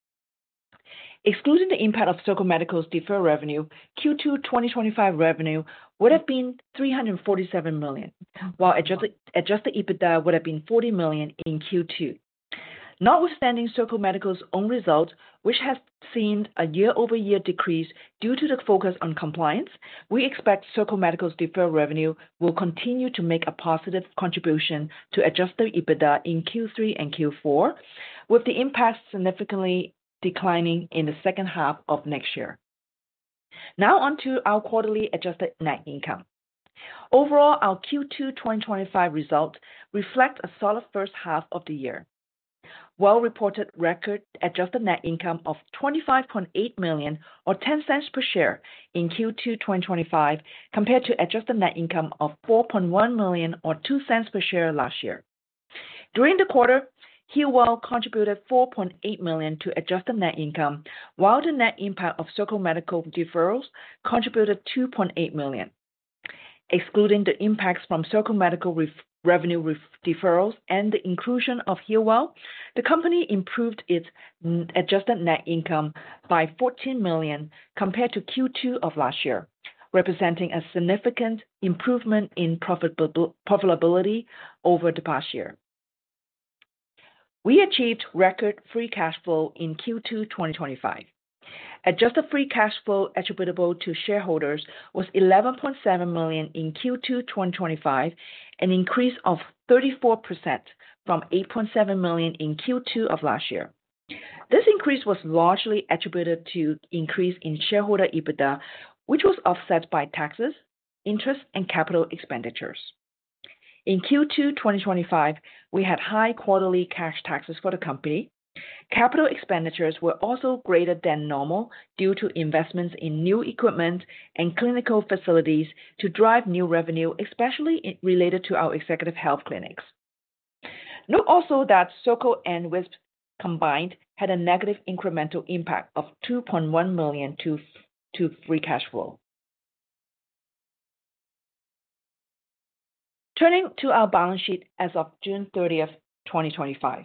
Excluding the impact of Circle Medical's deferred revenue, Q2 2025 revenue would have been $347 million, while adjusted EBITDA would have been $40 million in Q2. Notwithstanding Circle Medical's own results, which have seen a year-over-year decrease due to the focus on compliance, we expect Circle Medical's deferred revenue will continue to make a positive contribution to adjusted EBITDA in Q3 and Q4, with the impact significantly declining in the second half of next year. Now onto our quarterly adjusted net income. Overall, our Q2 2025 results reflect a solid first half of the year. WELL reported record adjusted net income of $25.8 million or $0.10 per share in Q2 2025 compared to adjusted net income of $4.1 million or $0.02 per share last year. During the quarter, HEALWELL contributed $4.8 million to adjusted net income, while the net impact of Circle Medical deferrals contributed $2.8 million. Excluding the impacts from Circle Medical revenue deferrals and the inclusion of HEALWELL, the company improved its adjusted net income by $14 million compared to Q2 of last year, representing a significant improvement in profitability over the past year. We achieved record free cash flow in Q2 2025. Adjusted free cash flow attributable to shareholders was $11.7 million in Q2 2025, an increase of 34% from $8.7 million in Q2 of last year. This increase was largely attributed to the increase in shareholder EBITDA, which was offset by taxes, interest, and capital expenditures. In Q2 2025, we had high quarterly cash taxes for the company. Capital expenditures were also greater than normal due to investments in new equipment and clinical facilities to drive new revenue, especially related to our executive health clinics. Note also that Circle and Wisp combined had a negative incremental impact of $2.1 million to free cash flow. Turning to our balance sheet as of June 30, 2025,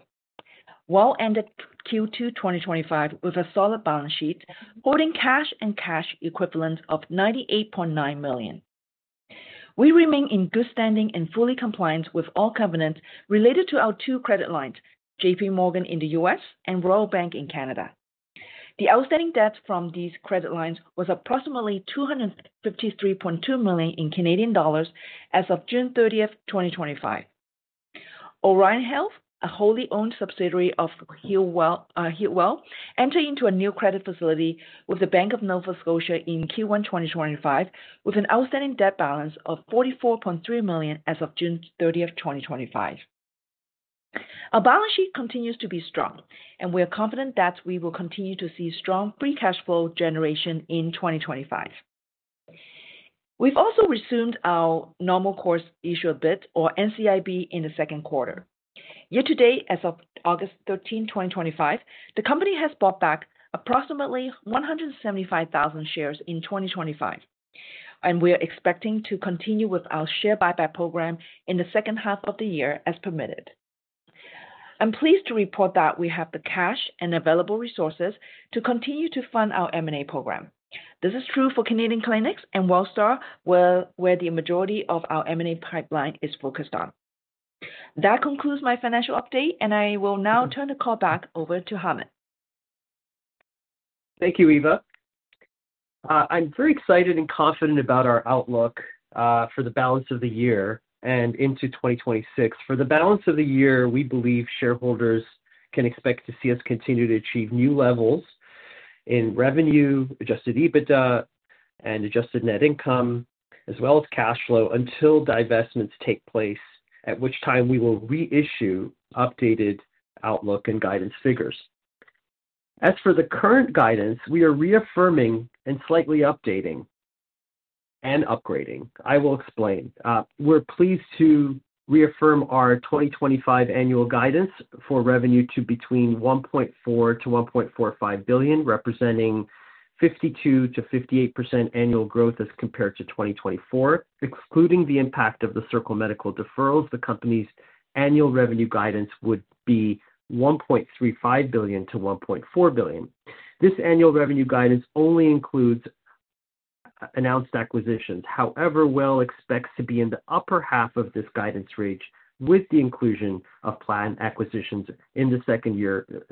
WELL Health ended Q2 2025 with a solid balance sheet, holding cash and cash equivalents of $98.9 million. We remain in good standing and fully compliant with all covenants related to our two credit lines, JPMorgan in the U.S., and Royal Bank in Canada. The outstanding debt from these credit lines was approximately $253.2 million in Canadian dollars as of June 30th, 2025. Orion Health, a wholly owned subsidiary of HEALWELL, entered into a new credit facility with the Bank of Nova Scotia in Q1 2025, with an outstanding debt balance of $44.3 million as of June 30th, 2025. Our balance sheet continues to be strong, and we are confident that we will continue to see strong free cash flow generation in 2025. We've also resumed our normal course issuer bid, or NCIB, in the second quarter. Year to date, as of August 13th, 2025, the company has bought back approximately 175,000 shares in 2025, and we are expecting to continue with our share buyback program in the second half of the year as permitted. I'm pleased to report that we have the cash and available resources to continue to fund our M&A program. This is true for Canadian Clinics and Wellstar, where the majority of our M&A pipeline is focused. That concludes my financial update, and I will now turn the call back over to Hamed. Thank you, Eva. I'm very excited and confident about our outlook for the balance of the year and into 2026. For the balance of the year, we believe shareholders can expect to see us continue to achieve new levels in revenue, adjusted EBITDA, and adjusted net income, as well as cash flow, until divestitures take place, at which time we will reissue updated outlook and guidance figures. As for the current guidance, we are reaffirming and slightly updating and upgrading. I will explain. We're pleased to reaffirm our 2025 annual guidance for revenue to between $1.4 billion-$1.45 billion, representing 52%-58% annual growth as compared to 2024. Excluding the impact of the Circle Medical deferrals, the company's annual revenue guidance would be $1.35 billion-$1.4 billion. This annual revenue guidance only includes announced acquisitions. However, WELL expects to be in the upper half of this guidance range with the inclusion of planned acquisitions in the second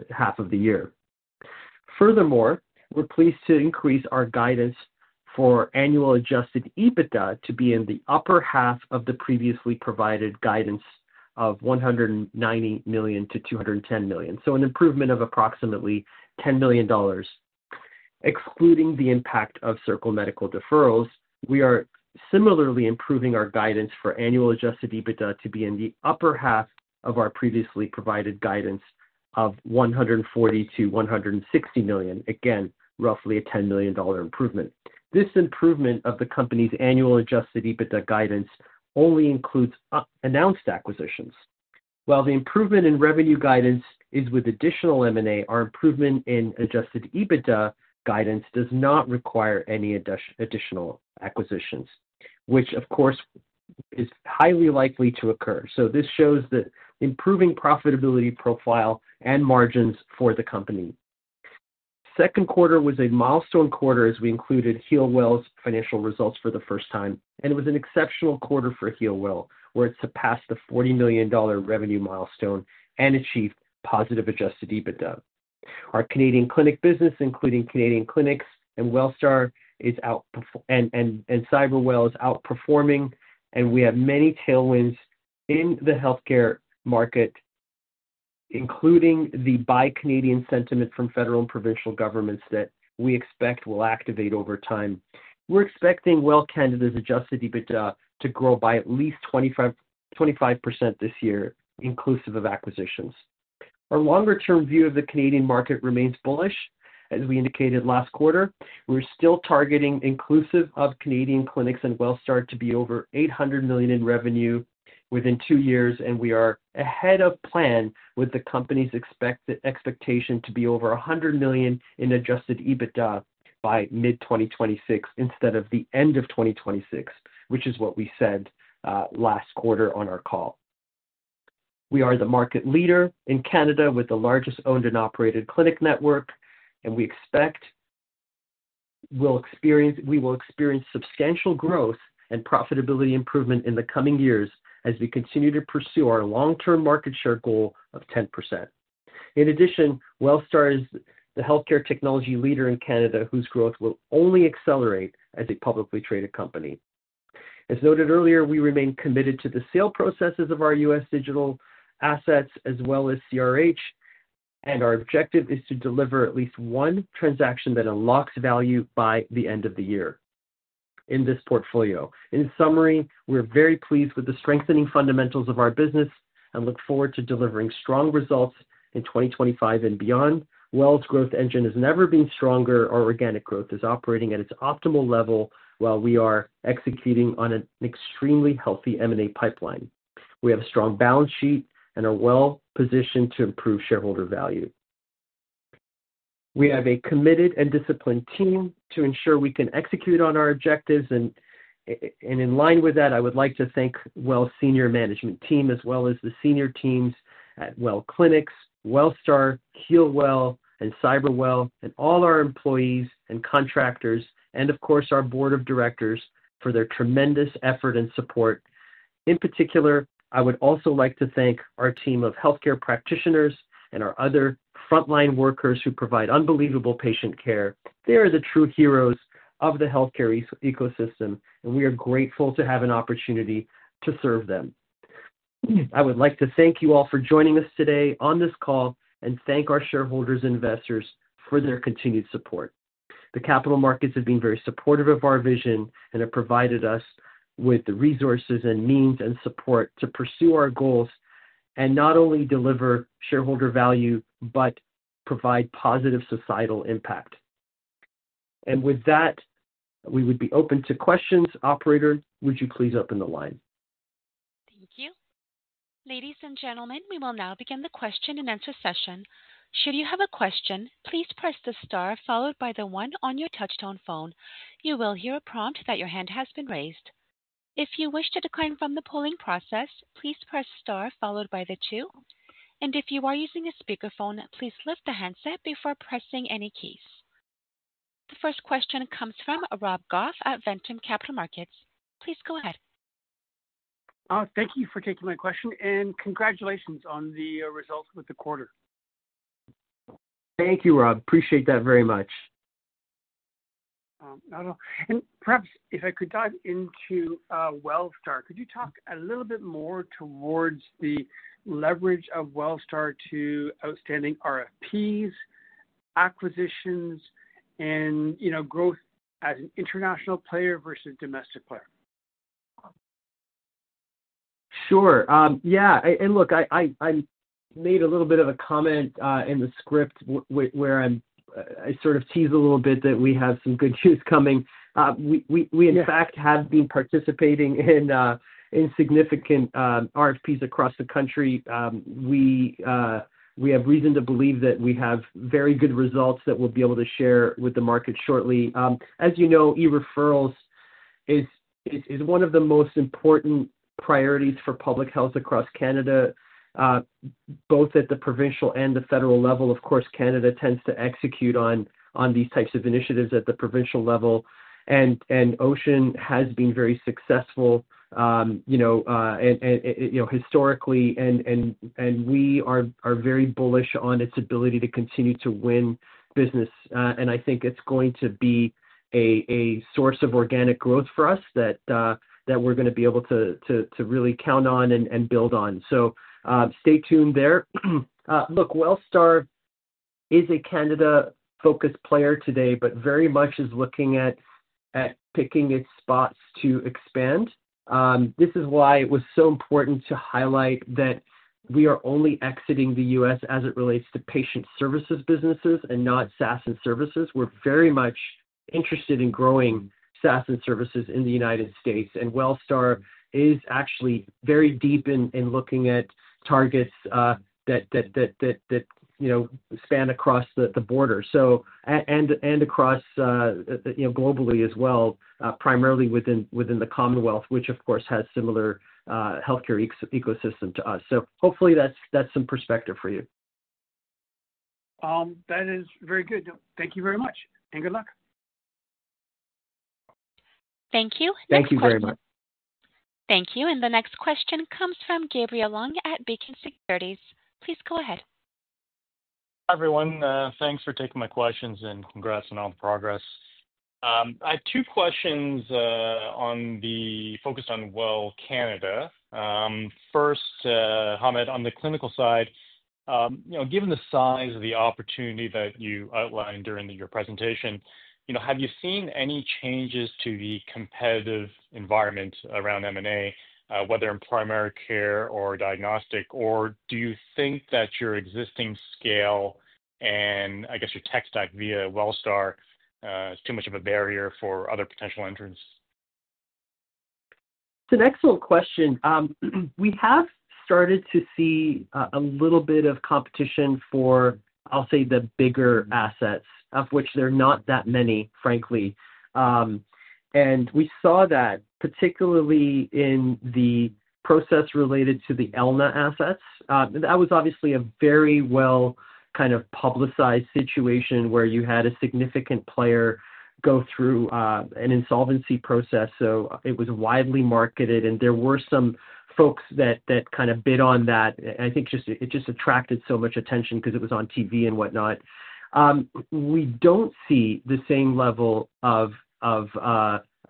half of the year. Furthermore, we're pleased to increase our guidance for annual adjusted EBITDA to be in the upper half of the previously provided guidance of $190 million-$210 million, so an improvement of approximately $10 million. Excluding the impact of Circle Medical deferrals, we are similarly improving our guidance for annual adjusted EBITDA to be in the upper half of our previously provided guidance of $140 miilion-$160 million, again, roughly a $10 million improvement. This improvement of the company's annual adjusted EBITDA guidance only includes announced acquisitions. While the improvement in revenue guidance is with additional M&A, our improvement in adjusted EBITDA guidance does not require any additional acquisitions, which, of course, is highly likely to occur. This shows the improving profitability profile and margins for the company. The second quarter was a milestone quarter as we included HEALWELL financial results for the first time, and it was an exceptional quarter for HEALWELL, where it surpassed the $40 million revenue milestone and achieved positive adjusted EBITDA. Our Canadian clinic business, including Canadian Clinics and Wellstar and Cyberwell, is outperforming, and we have many tailwinds in the healthcare market, including the buy Canadian sentiment from federal and provincial governments that we expect will activate over time. We're expecting WELL Canada's adjusted EBITDA to grow by at least 25% this year, inclusive of acquisitions. Our longer-term view of the Canadian market remains bullish. As we indicated last quarter, we're still targeting, inclusive of Canadian Clinics and Wellstar, to be over $800 million in revenue within two years, and we are ahead of plan with the company's expectation to be over $100 million in adjusted EBITDA by mid-2026 instead of the end of 2026, which is what we said last quarter on our call. We are the market leader in Canada with the largest owned and operated clinic network, and we expect we will experience substantial growth and profitability improvement in the coming years as we continue to pursue our long-term market share goal of 10%. In addition, Wellstar is the healthcare technology leader in Canada whose growth will only accelerate as a publicly traded company. As noted earlier, we remain committed to the sale processes of our U.S., digital assets as well as CRH, and our objective is to deliver at least one transaction that unlocks value by the end of the year in this portfolio. In summary, we're very pleased with the strengthening fundamentals of our business and look forward to delivering strong results in 2025 and beyond. WELL's growth engine has never been stronger. Our organic growth is operating at its optimal level while we are executing on an extremely healthy M&A pipeline. We have a strong balance sheet and are well positioned to improve shareholder value. We have a committed and disciplined team to ensure we can execute on our objectives, and in line with that, I would like to thank WELL senior management team, as well as the senior teams at Well Clinics, Wellstar, HEALWELL, and Cyberwell, and all our employees and contractors, and of course, our board of directors for their tremendous effort and support. In particular, I would also like to thank our team of healthcare practitioners and our other frontline workers who provide unbelievable patient care. They are the true heroes of the healthcare ecosystem, and we are grateful to have an opportunity to serve them. I would like to thank you all for joining us today on this call and thank our shareholders and investors for their continued support. The capital markets have been very supportive of our vision and have provided us with the resources and means and support to pursue our goals and not only deliver shareholder value but provide positive societal impact. With that, we would be open to questions. Operator, would you please open the line? Thank you. Ladies and gentlemen, we will now begin the question-and-answer session. Should you have a question, please press the Star followed by the one on your touchtone phone. You will hear a prompt that your hand has been raised. If you wish to decline from the polling process, please press Star followed by the two. If you are using a speakerphone, please lift the handset before pressing any keys. The first question comes from Rob Goff at Ventum Capital Markets. Please go ahead. Thank you for taking my question, and congratulations on the results with the quarter. Thank you, Rob. Appreciate that very much. Perhaps if I could dive into Wellstar, could you talk a little bit more towards the leverage of Wellstar to outstanding RFPs, acquisitions, and growth as an international player versus a domestic player? Sure. Yeah. I made a little bit of a comment in the script where I sort of teased a little bit that we have some good news coming. We, in fact, have been participating in significant RFPs across the country. We have reason to believe that we have very good results that we'll be able to share with the market shortly. As you know, e-referrals is one of the most important priorities for public health across Canada, both at the provincial and the federal level. Of course, Canada tends to execute on these types of initiatives at the provincial level, and Ocean has been very successful, you know, historically, and we are very bullish on its ability to continue to win business. I think it's going to be a source of organic growth for us that we're going to be able to really count on and build on. Stay tuned there. Look, Wellstar is a Canada-focused player today, but very much is looking at picking its spots to expand. This is why it was so important to highlight that we are only exiting the U.S., as it relates to patient services businesses and not SaaS and services. We're very much interested in growing SaaS and services in the United States, and Wellstar is actually very deep in looking at targets that span across the border and across globally as well, primarily within the Commonwealth, which of course has a similar healthcare ecosystem to us. Hopefully that's some perspective for you. That is very good. Thank you very much, and good luck. Thank you. Thank you very much. Thank you. The next question comes from Gabriel Leung at Bacon Securities. Please go ahead. Hi, everyone. Thanks for taking my questions and congrats on all the progress. I have two questions focused on WELL Canada. First, Hamed, on the clinical side, given the size of the opportunity that you outlined during your presentation, have you seen any changes to the competitive environment around M&A, whether in primary care or diagnostic, or do you think that your existing scale and I guess your tech stack via Wellstar is too much of a barrier for other potential entrants? It's an excellent question. We have started to see a little bit of competition for, I'll say, the bigger assets, of which there are not that many, frankly, and we saw that particularly in the process related to the ELNA assets. That was obviously a very well-publicized situation where you had a significant player go through an insolvency process. It was widely marketed, and there were some folks that bid on that. I think it just attracted so much attention because it was on TV and whatnot. We don't see the same level of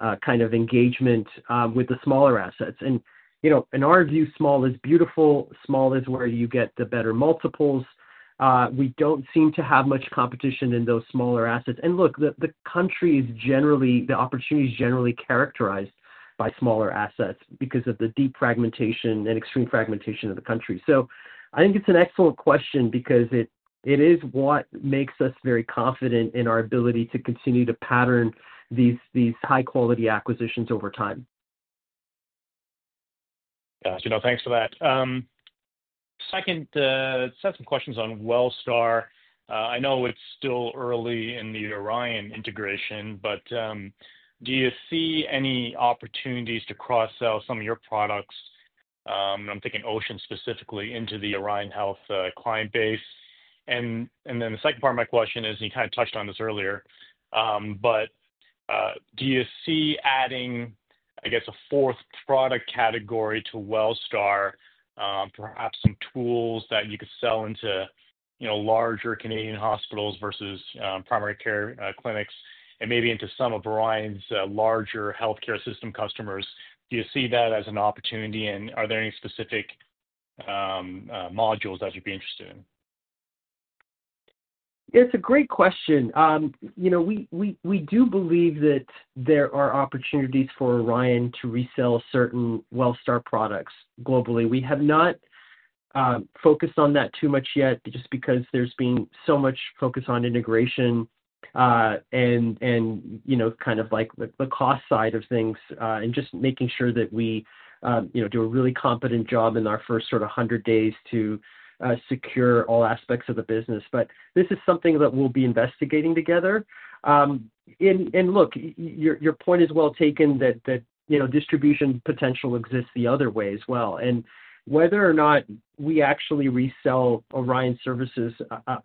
engagement with the smaller assets. In our view, small is beautiful. Small is where you get the better multiples. We don't seem to have much competition in those smaller assets. The country is generally, the opportunity is generally characterized by smaller assets because of the deep fragmentation and extreme fragmentation of the country. I think it's an excellent question because it is what makes us very confident in our ability to continue to pattern these high-quality acquisitions over time. Yes, you know, thanks for that. Second, I have some questions on Wellstar. I know it's still early in the Orion integration, but do you see any opportunities to cross-sell some of your products? I'm thinking Ocean specifically into the Orion Health client base. The second part of my question is, and you kind of touched on this earlier, do you see adding, I guess, a fourth product category to Wellstar, perhaps some tools that you could sell into larger Canadian hospitals versus primary care clinics and maybe into some of Orion's larger healthcare system customers? Do you see that as an opportunity, and are there any specific modules that you'd be interested in? It's a great question. We do believe that there are opportunities for Orion to resell certain Wellstar products globally. We have not focused on that too much yet just because there's been so much focus on integration and the cost side of things and just making sure that we do a really competent job in our first sort of 100 days to secure all aspects of the business. This is something that we'll be investigating together. Your point is well taken that distribution potential exists the other way as well. Whether or not we actually resell Orion services,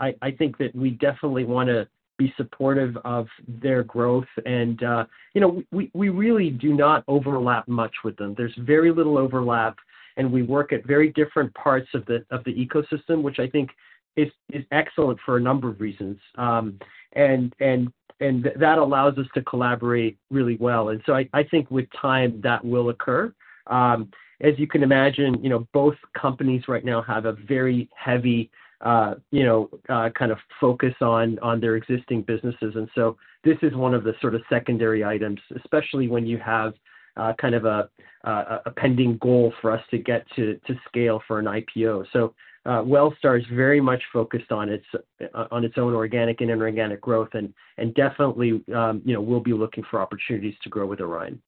I think that we definitely want to be supportive of their growth. We really do not overlap much with them. There's very little overlap, and we work at very different parts of the ecosystem, which I think is excellent for a number of reasons. That allows us to collaborate really well. I think with time that will occur. As you can imagine, both companies right now have a very heavy focus on their existing businesses. This is one of the sort of secondary items, especially when you have a pending goal for us to get to scale for an IPO. Wellstar is very much focused on its own organic and inorganic growth, and definitely we'll be looking for opportunities to grow with Orion.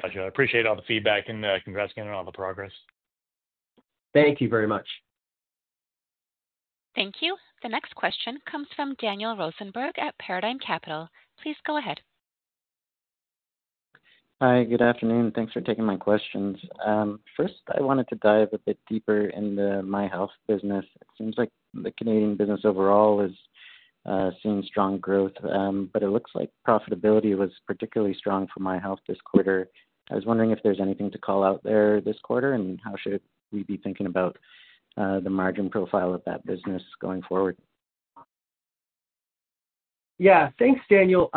Gotcha. I appreciate all the feedback, and congrats again on all the progress. Thank you very much. Thank you. The next question comes from Daniel Rosenberg at Paradigm Capital. Please go ahead. Hi, good afternoon. Thanks for taking my questions. First, I wanted to dive a bit deeper into my health business. It seems like the Canadian business overall has seen strong growth, but it looks like profitability was particularly strong for MyHealth this quarter. I was wondering if there's anything to call out there this quarter and how should we be thinking about the margin profile of that business going forward? Yeah, thanks, Daniel.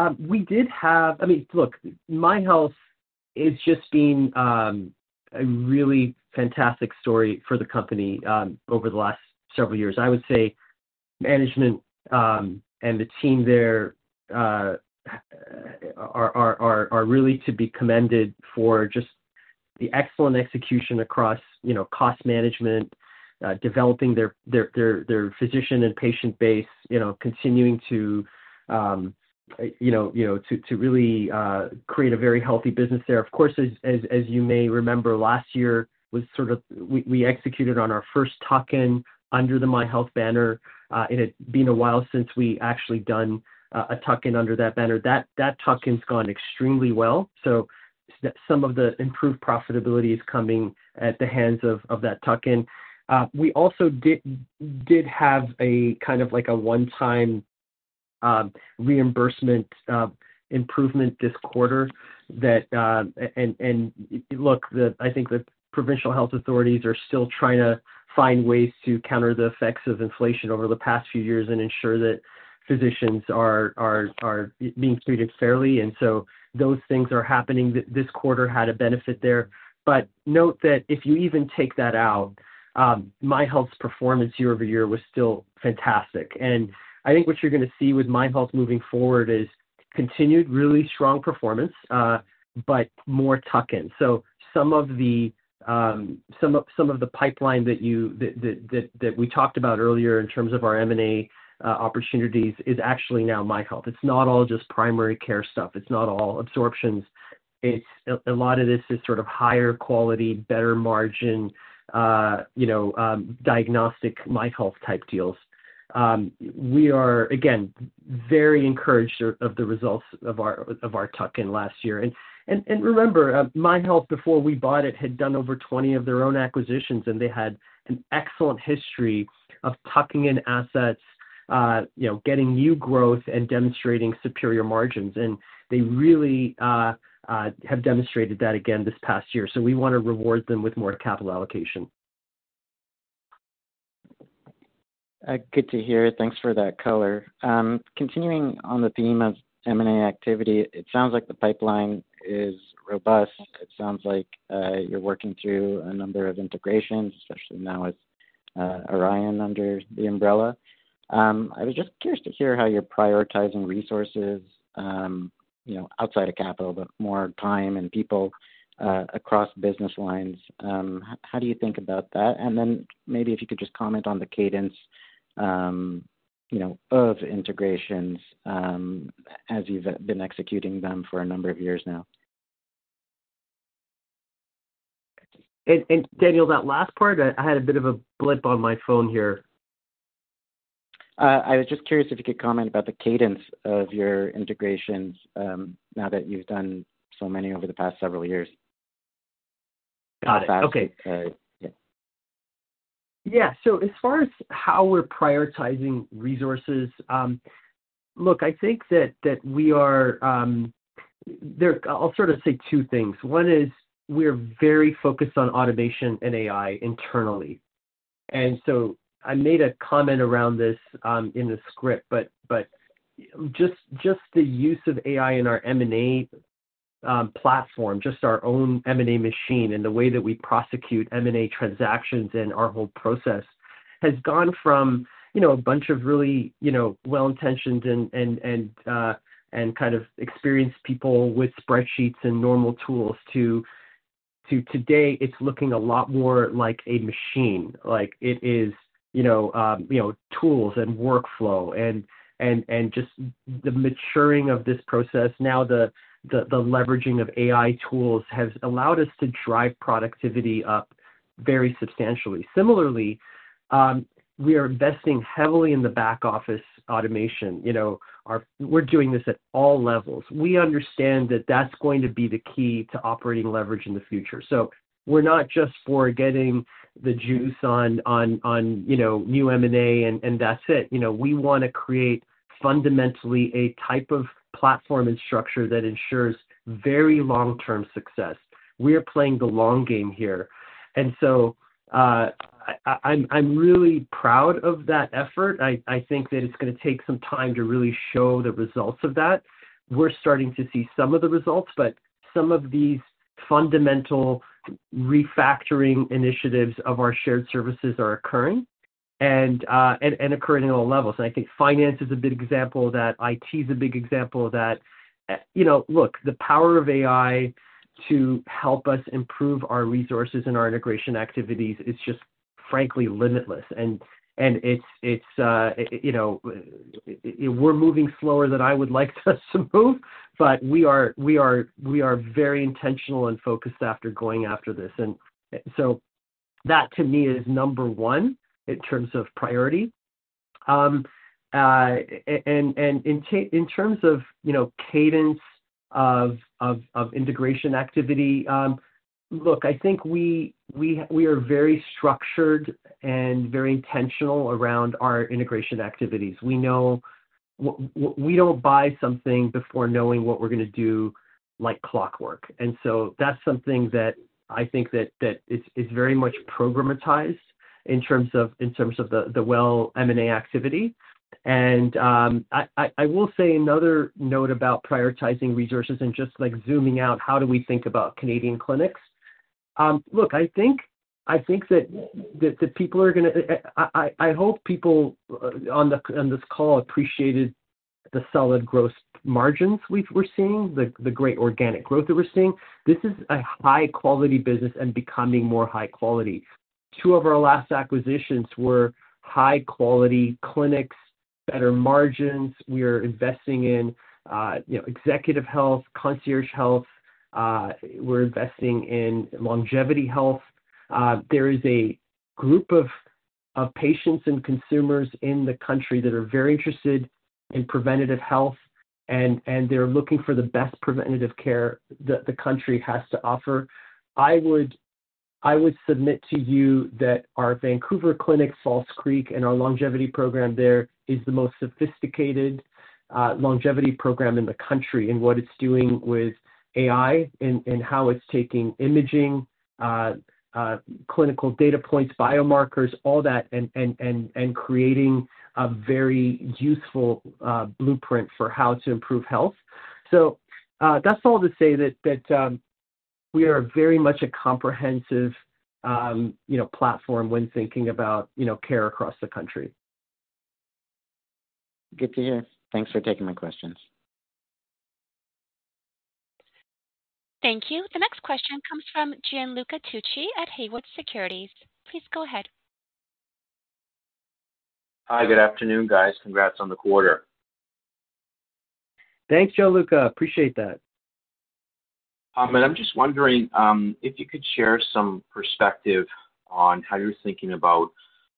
We did have, I mean, look, MyHealth has just been a really fantastic story for the company over the last several years. I would say management and the team there are really to be commended for just the excellent execution across cost management, developing their physician and patient base, continuing to really create a very healthy business there. Of course, as you may remember, last year we executed on our first tuck-in under the MyHealth banner, and it's been a while since we actually did a tuck-in under that banner. That tuck-in's gone extremely well. Some of the improved profitability is coming at the hands of that tuck-in. We also did have a kind of like a one-time reimbursement improvement this quarter. I think the provincial health authorities are still trying to find ways to counter the effects of inflation over the past few years and ensure that physicians are being treated fairly. Those things are happening. This quarter had a benefit there. Note that if you even take that out, MyHealth's performance year over year was still fantastic. I think what you're going to see with MyHealth moving forward is continued really strong performance, but more tuck-ins. Some of the pipeline that we talked about earlier in terms of our M&A opportunities is actually now MyHealth. It's not all just primary care stuff. It's not all absorptions. A lot of this is sort of higher quality, better margin, diagnostic MyHealth type deals. We are, again, very encouraged by the results of our tuck-in last year. Remember, MyHealth, before we bought it, had done over 20 of their own acquisitions, and they had an excellent history of tucking in assets, getting new growth, and demonstrating superior margins. They really have demonstrated that again this past year. We want to reward them with more capital allocation. Good to hear. Thanks for that color. Continuing on the theme of M&A activity, it sounds like the pipeline is robust. It sounds like you're working through a number of integrations, especially now with Orion under the umbrella. I'd be just curious to hear how you're prioritizing resources, you know, outside of capital, but more time and people across business lines. How do you think about that? Maybe if you could just comment on the cadence, you know, of integrations as you've been executing them for a number of years now. Daniel, that last part, I had a bit of a blip on my phone here. I was just curious if you could comment about the cadence of your integrations now that you've done so many over the past several years. Got it. Okay. Yeah. As far as how we're prioritizing resources, I think that we are, I'll sort of say two things. One is we're very focused on automation and AI internally. I made a comment around this in the script, but just the use of AI in our M&A platform, just our own M&A machine and the way that we prosecute M&A transactions and our whole process has gone from a bunch of really well-intentioned and kind of experienced people with spreadsheets and normal tools to today, it's looking a lot more like a machine. It is tools and workflow and just the maturing of this process. Now the leveraging of AI tools has allowed us to drive productivity up very substantially. Similarly, we are investing heavily in the back office automation. We're doing this at all levels. We understand that that's going to be the key to operating leverage in the future. We're not just for getting the juice on new M&A and that's it. We want to create fundamentally a type of platform and structure that ensures very long-term success. We are playing the long game here. I'm really proud of that effort. I think that it's going to take some time to really show the results of that. We're starting to see some of the results, but some of these fundamental refactoring initiatives of our shared services are occurring and occurring at all levels. I think finance is a big example of that. IT is a big example of that. The power of AI to help us improve our resources and our integration activities is just frankly limitless. We're moving slower than I would like us to move, but we are very intentional and focused after going after this. That to me is number one in terms of priority. In terms of cadence of integration activity, I think we are very structured and very intentional around our integration activities. We know we don't buy something before knowing what we're going to do like clockwork. That is something that I think is very much programmatized in terms of the WELL M&A activity. I will say another note about prioritizing resources and just like zooming out, how do we think about Canadian Clinics? I think that the people are going to, I hope people on this call appreciated the solid gross margins we're seeing, the great organic growth that we're seeing. This is a high-quality business and becoming more high quality. Two of our last acquisitions were high-quality clinics, better margins. We are investing in executive health, concierge health. We're investing in longevity health. There is a group of patients and consumers in the country that are very interested in preventative health, and they're looking for the best preventative care that the country has to offer. I would submit to you that our Vancouver Clinic, False Creek, and our longevity program there is the most sophisticated longevity program in the country in what it's doing with AI and how it's taking imaging, clinical data points, biomarkers, all that, and creating a very useful blueprint for how to improve health. That's all to say that we are very much a comprehensive platform when thinking about care across the country. Good to hear. Thanks for taking my questions. Thank you. The next question comes from Gianluca Tucci at Haywood Securities. Please go ahead. Hi, good afternoon, guys. Congrats on the quarter. Thanks, Gianluca. Appreciate that. Could you share some perspective on how you're thinking about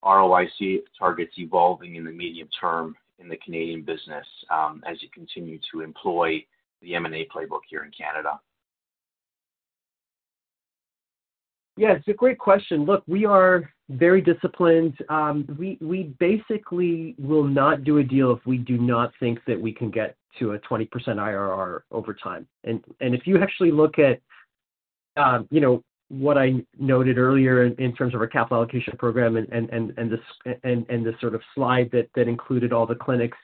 ROIC targets evolving in the medium term in the Canadian business as you continue to employ the M&A playbook here in Canada? Yeah, it's a great question. Look, we are very disciplined. We basically will not do a deal if we do not think that we can get to a 20% IRR over time. If You actually look at, you know, what I noted earlier in terms of our capital allocation program and this sort of slide that included all the clinics,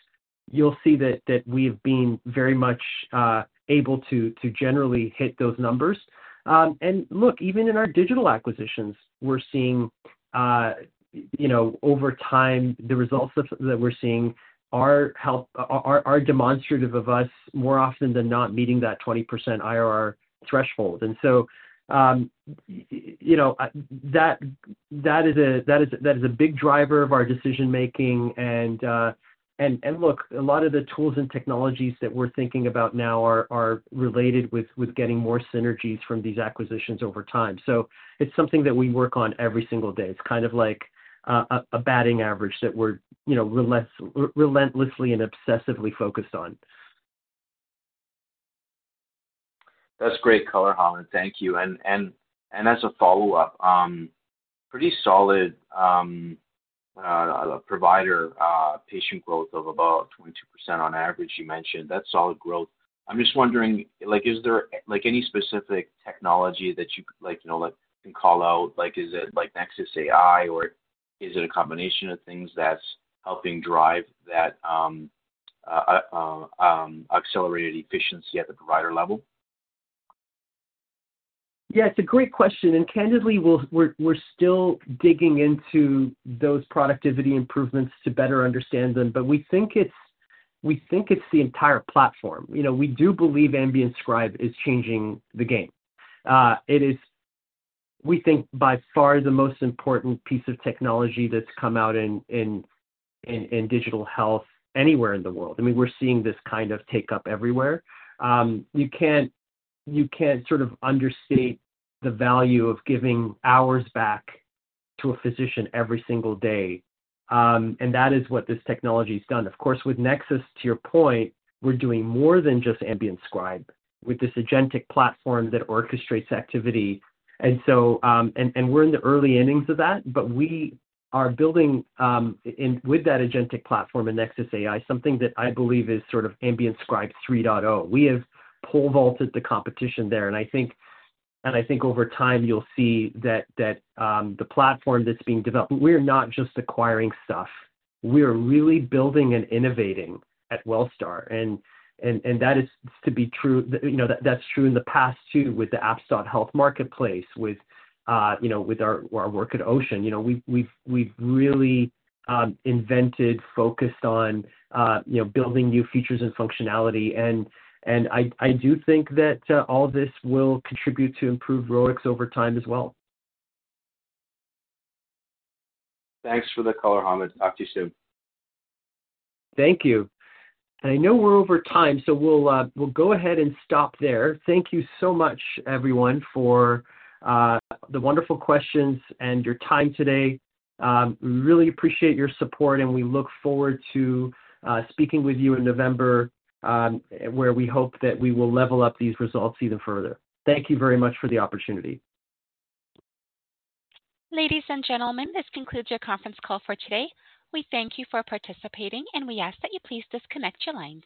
you'll see that we've been very much able to generally hit those numbers. Look, even in our digital acquisitions, we're seeing, you know, over time, the results that we're seeing are demonstrative of us more often than not meeting that 20% IRR threshold. That is a big driver of our decision making. A lot of the tools and technologies that we're thinking about now are related with getting more synergies from these acquisitions over time. It's something that we work on every single day. It's kind of like a batting average that we're, you know, relentlessly and obsessively focused on. That's great, color Hamed. Thank you. As a follow-up, pretty solid provider patient growth of about 22% on average, you mentioned. That's solid growth. I'm just wondering, like, is there any specific technology that you can call out? Like, is it Nexus AI, or is it a combination of things that's helping drive that accelerated efficiency at the provider level? Yeah, it's a great question. Candidly, we're still digging into those productivity improvements to better understand them. We think it's the entire platform. We do believe Ambient Scribe is changing the game. It is, we think, by far the most important piece of technology that's come out in digital health anywhere in the world. We're seeing this kind of take up everywhere. You can't understate the value of giving hours back to a physician every single day, and that is what this technology has done. Of course, with Nexus, to your point, we're doing more than just Ambient Scribe with this agentic platform that orchestrates activity. We're in the early innings of that. We are building with that agentic platform and Nexus AI something that I believe is sort of Ambient Scribe 3.0. We have pole vaulted the competition there. I think over time, you'll see that the platform that's being developed, we're not just acquiring stuff. We're really building and innovating at Wellstar. That is true in the past, too, with the AppStar Health Marketplace, with our work at Ocean. We've really invented, focused on building new features and functionality. I do think that all this will contribute to improved ROICs over time as well. Thanks for the color, Hamed. Talk to you soon. Thank you. I know we're over time, so we'll go ahead and stop there. Thank you so much, everyone, for the wonderful questions and your time today. We really appreciate your support, and we look forward to speaking with you in November, where we hope that we will level up these results even further. Thank you very much for the opportunity. Ladies and gentlemen, this concludes your conference call for today. We thank you for participating, and we ask that you please disconnect your lines.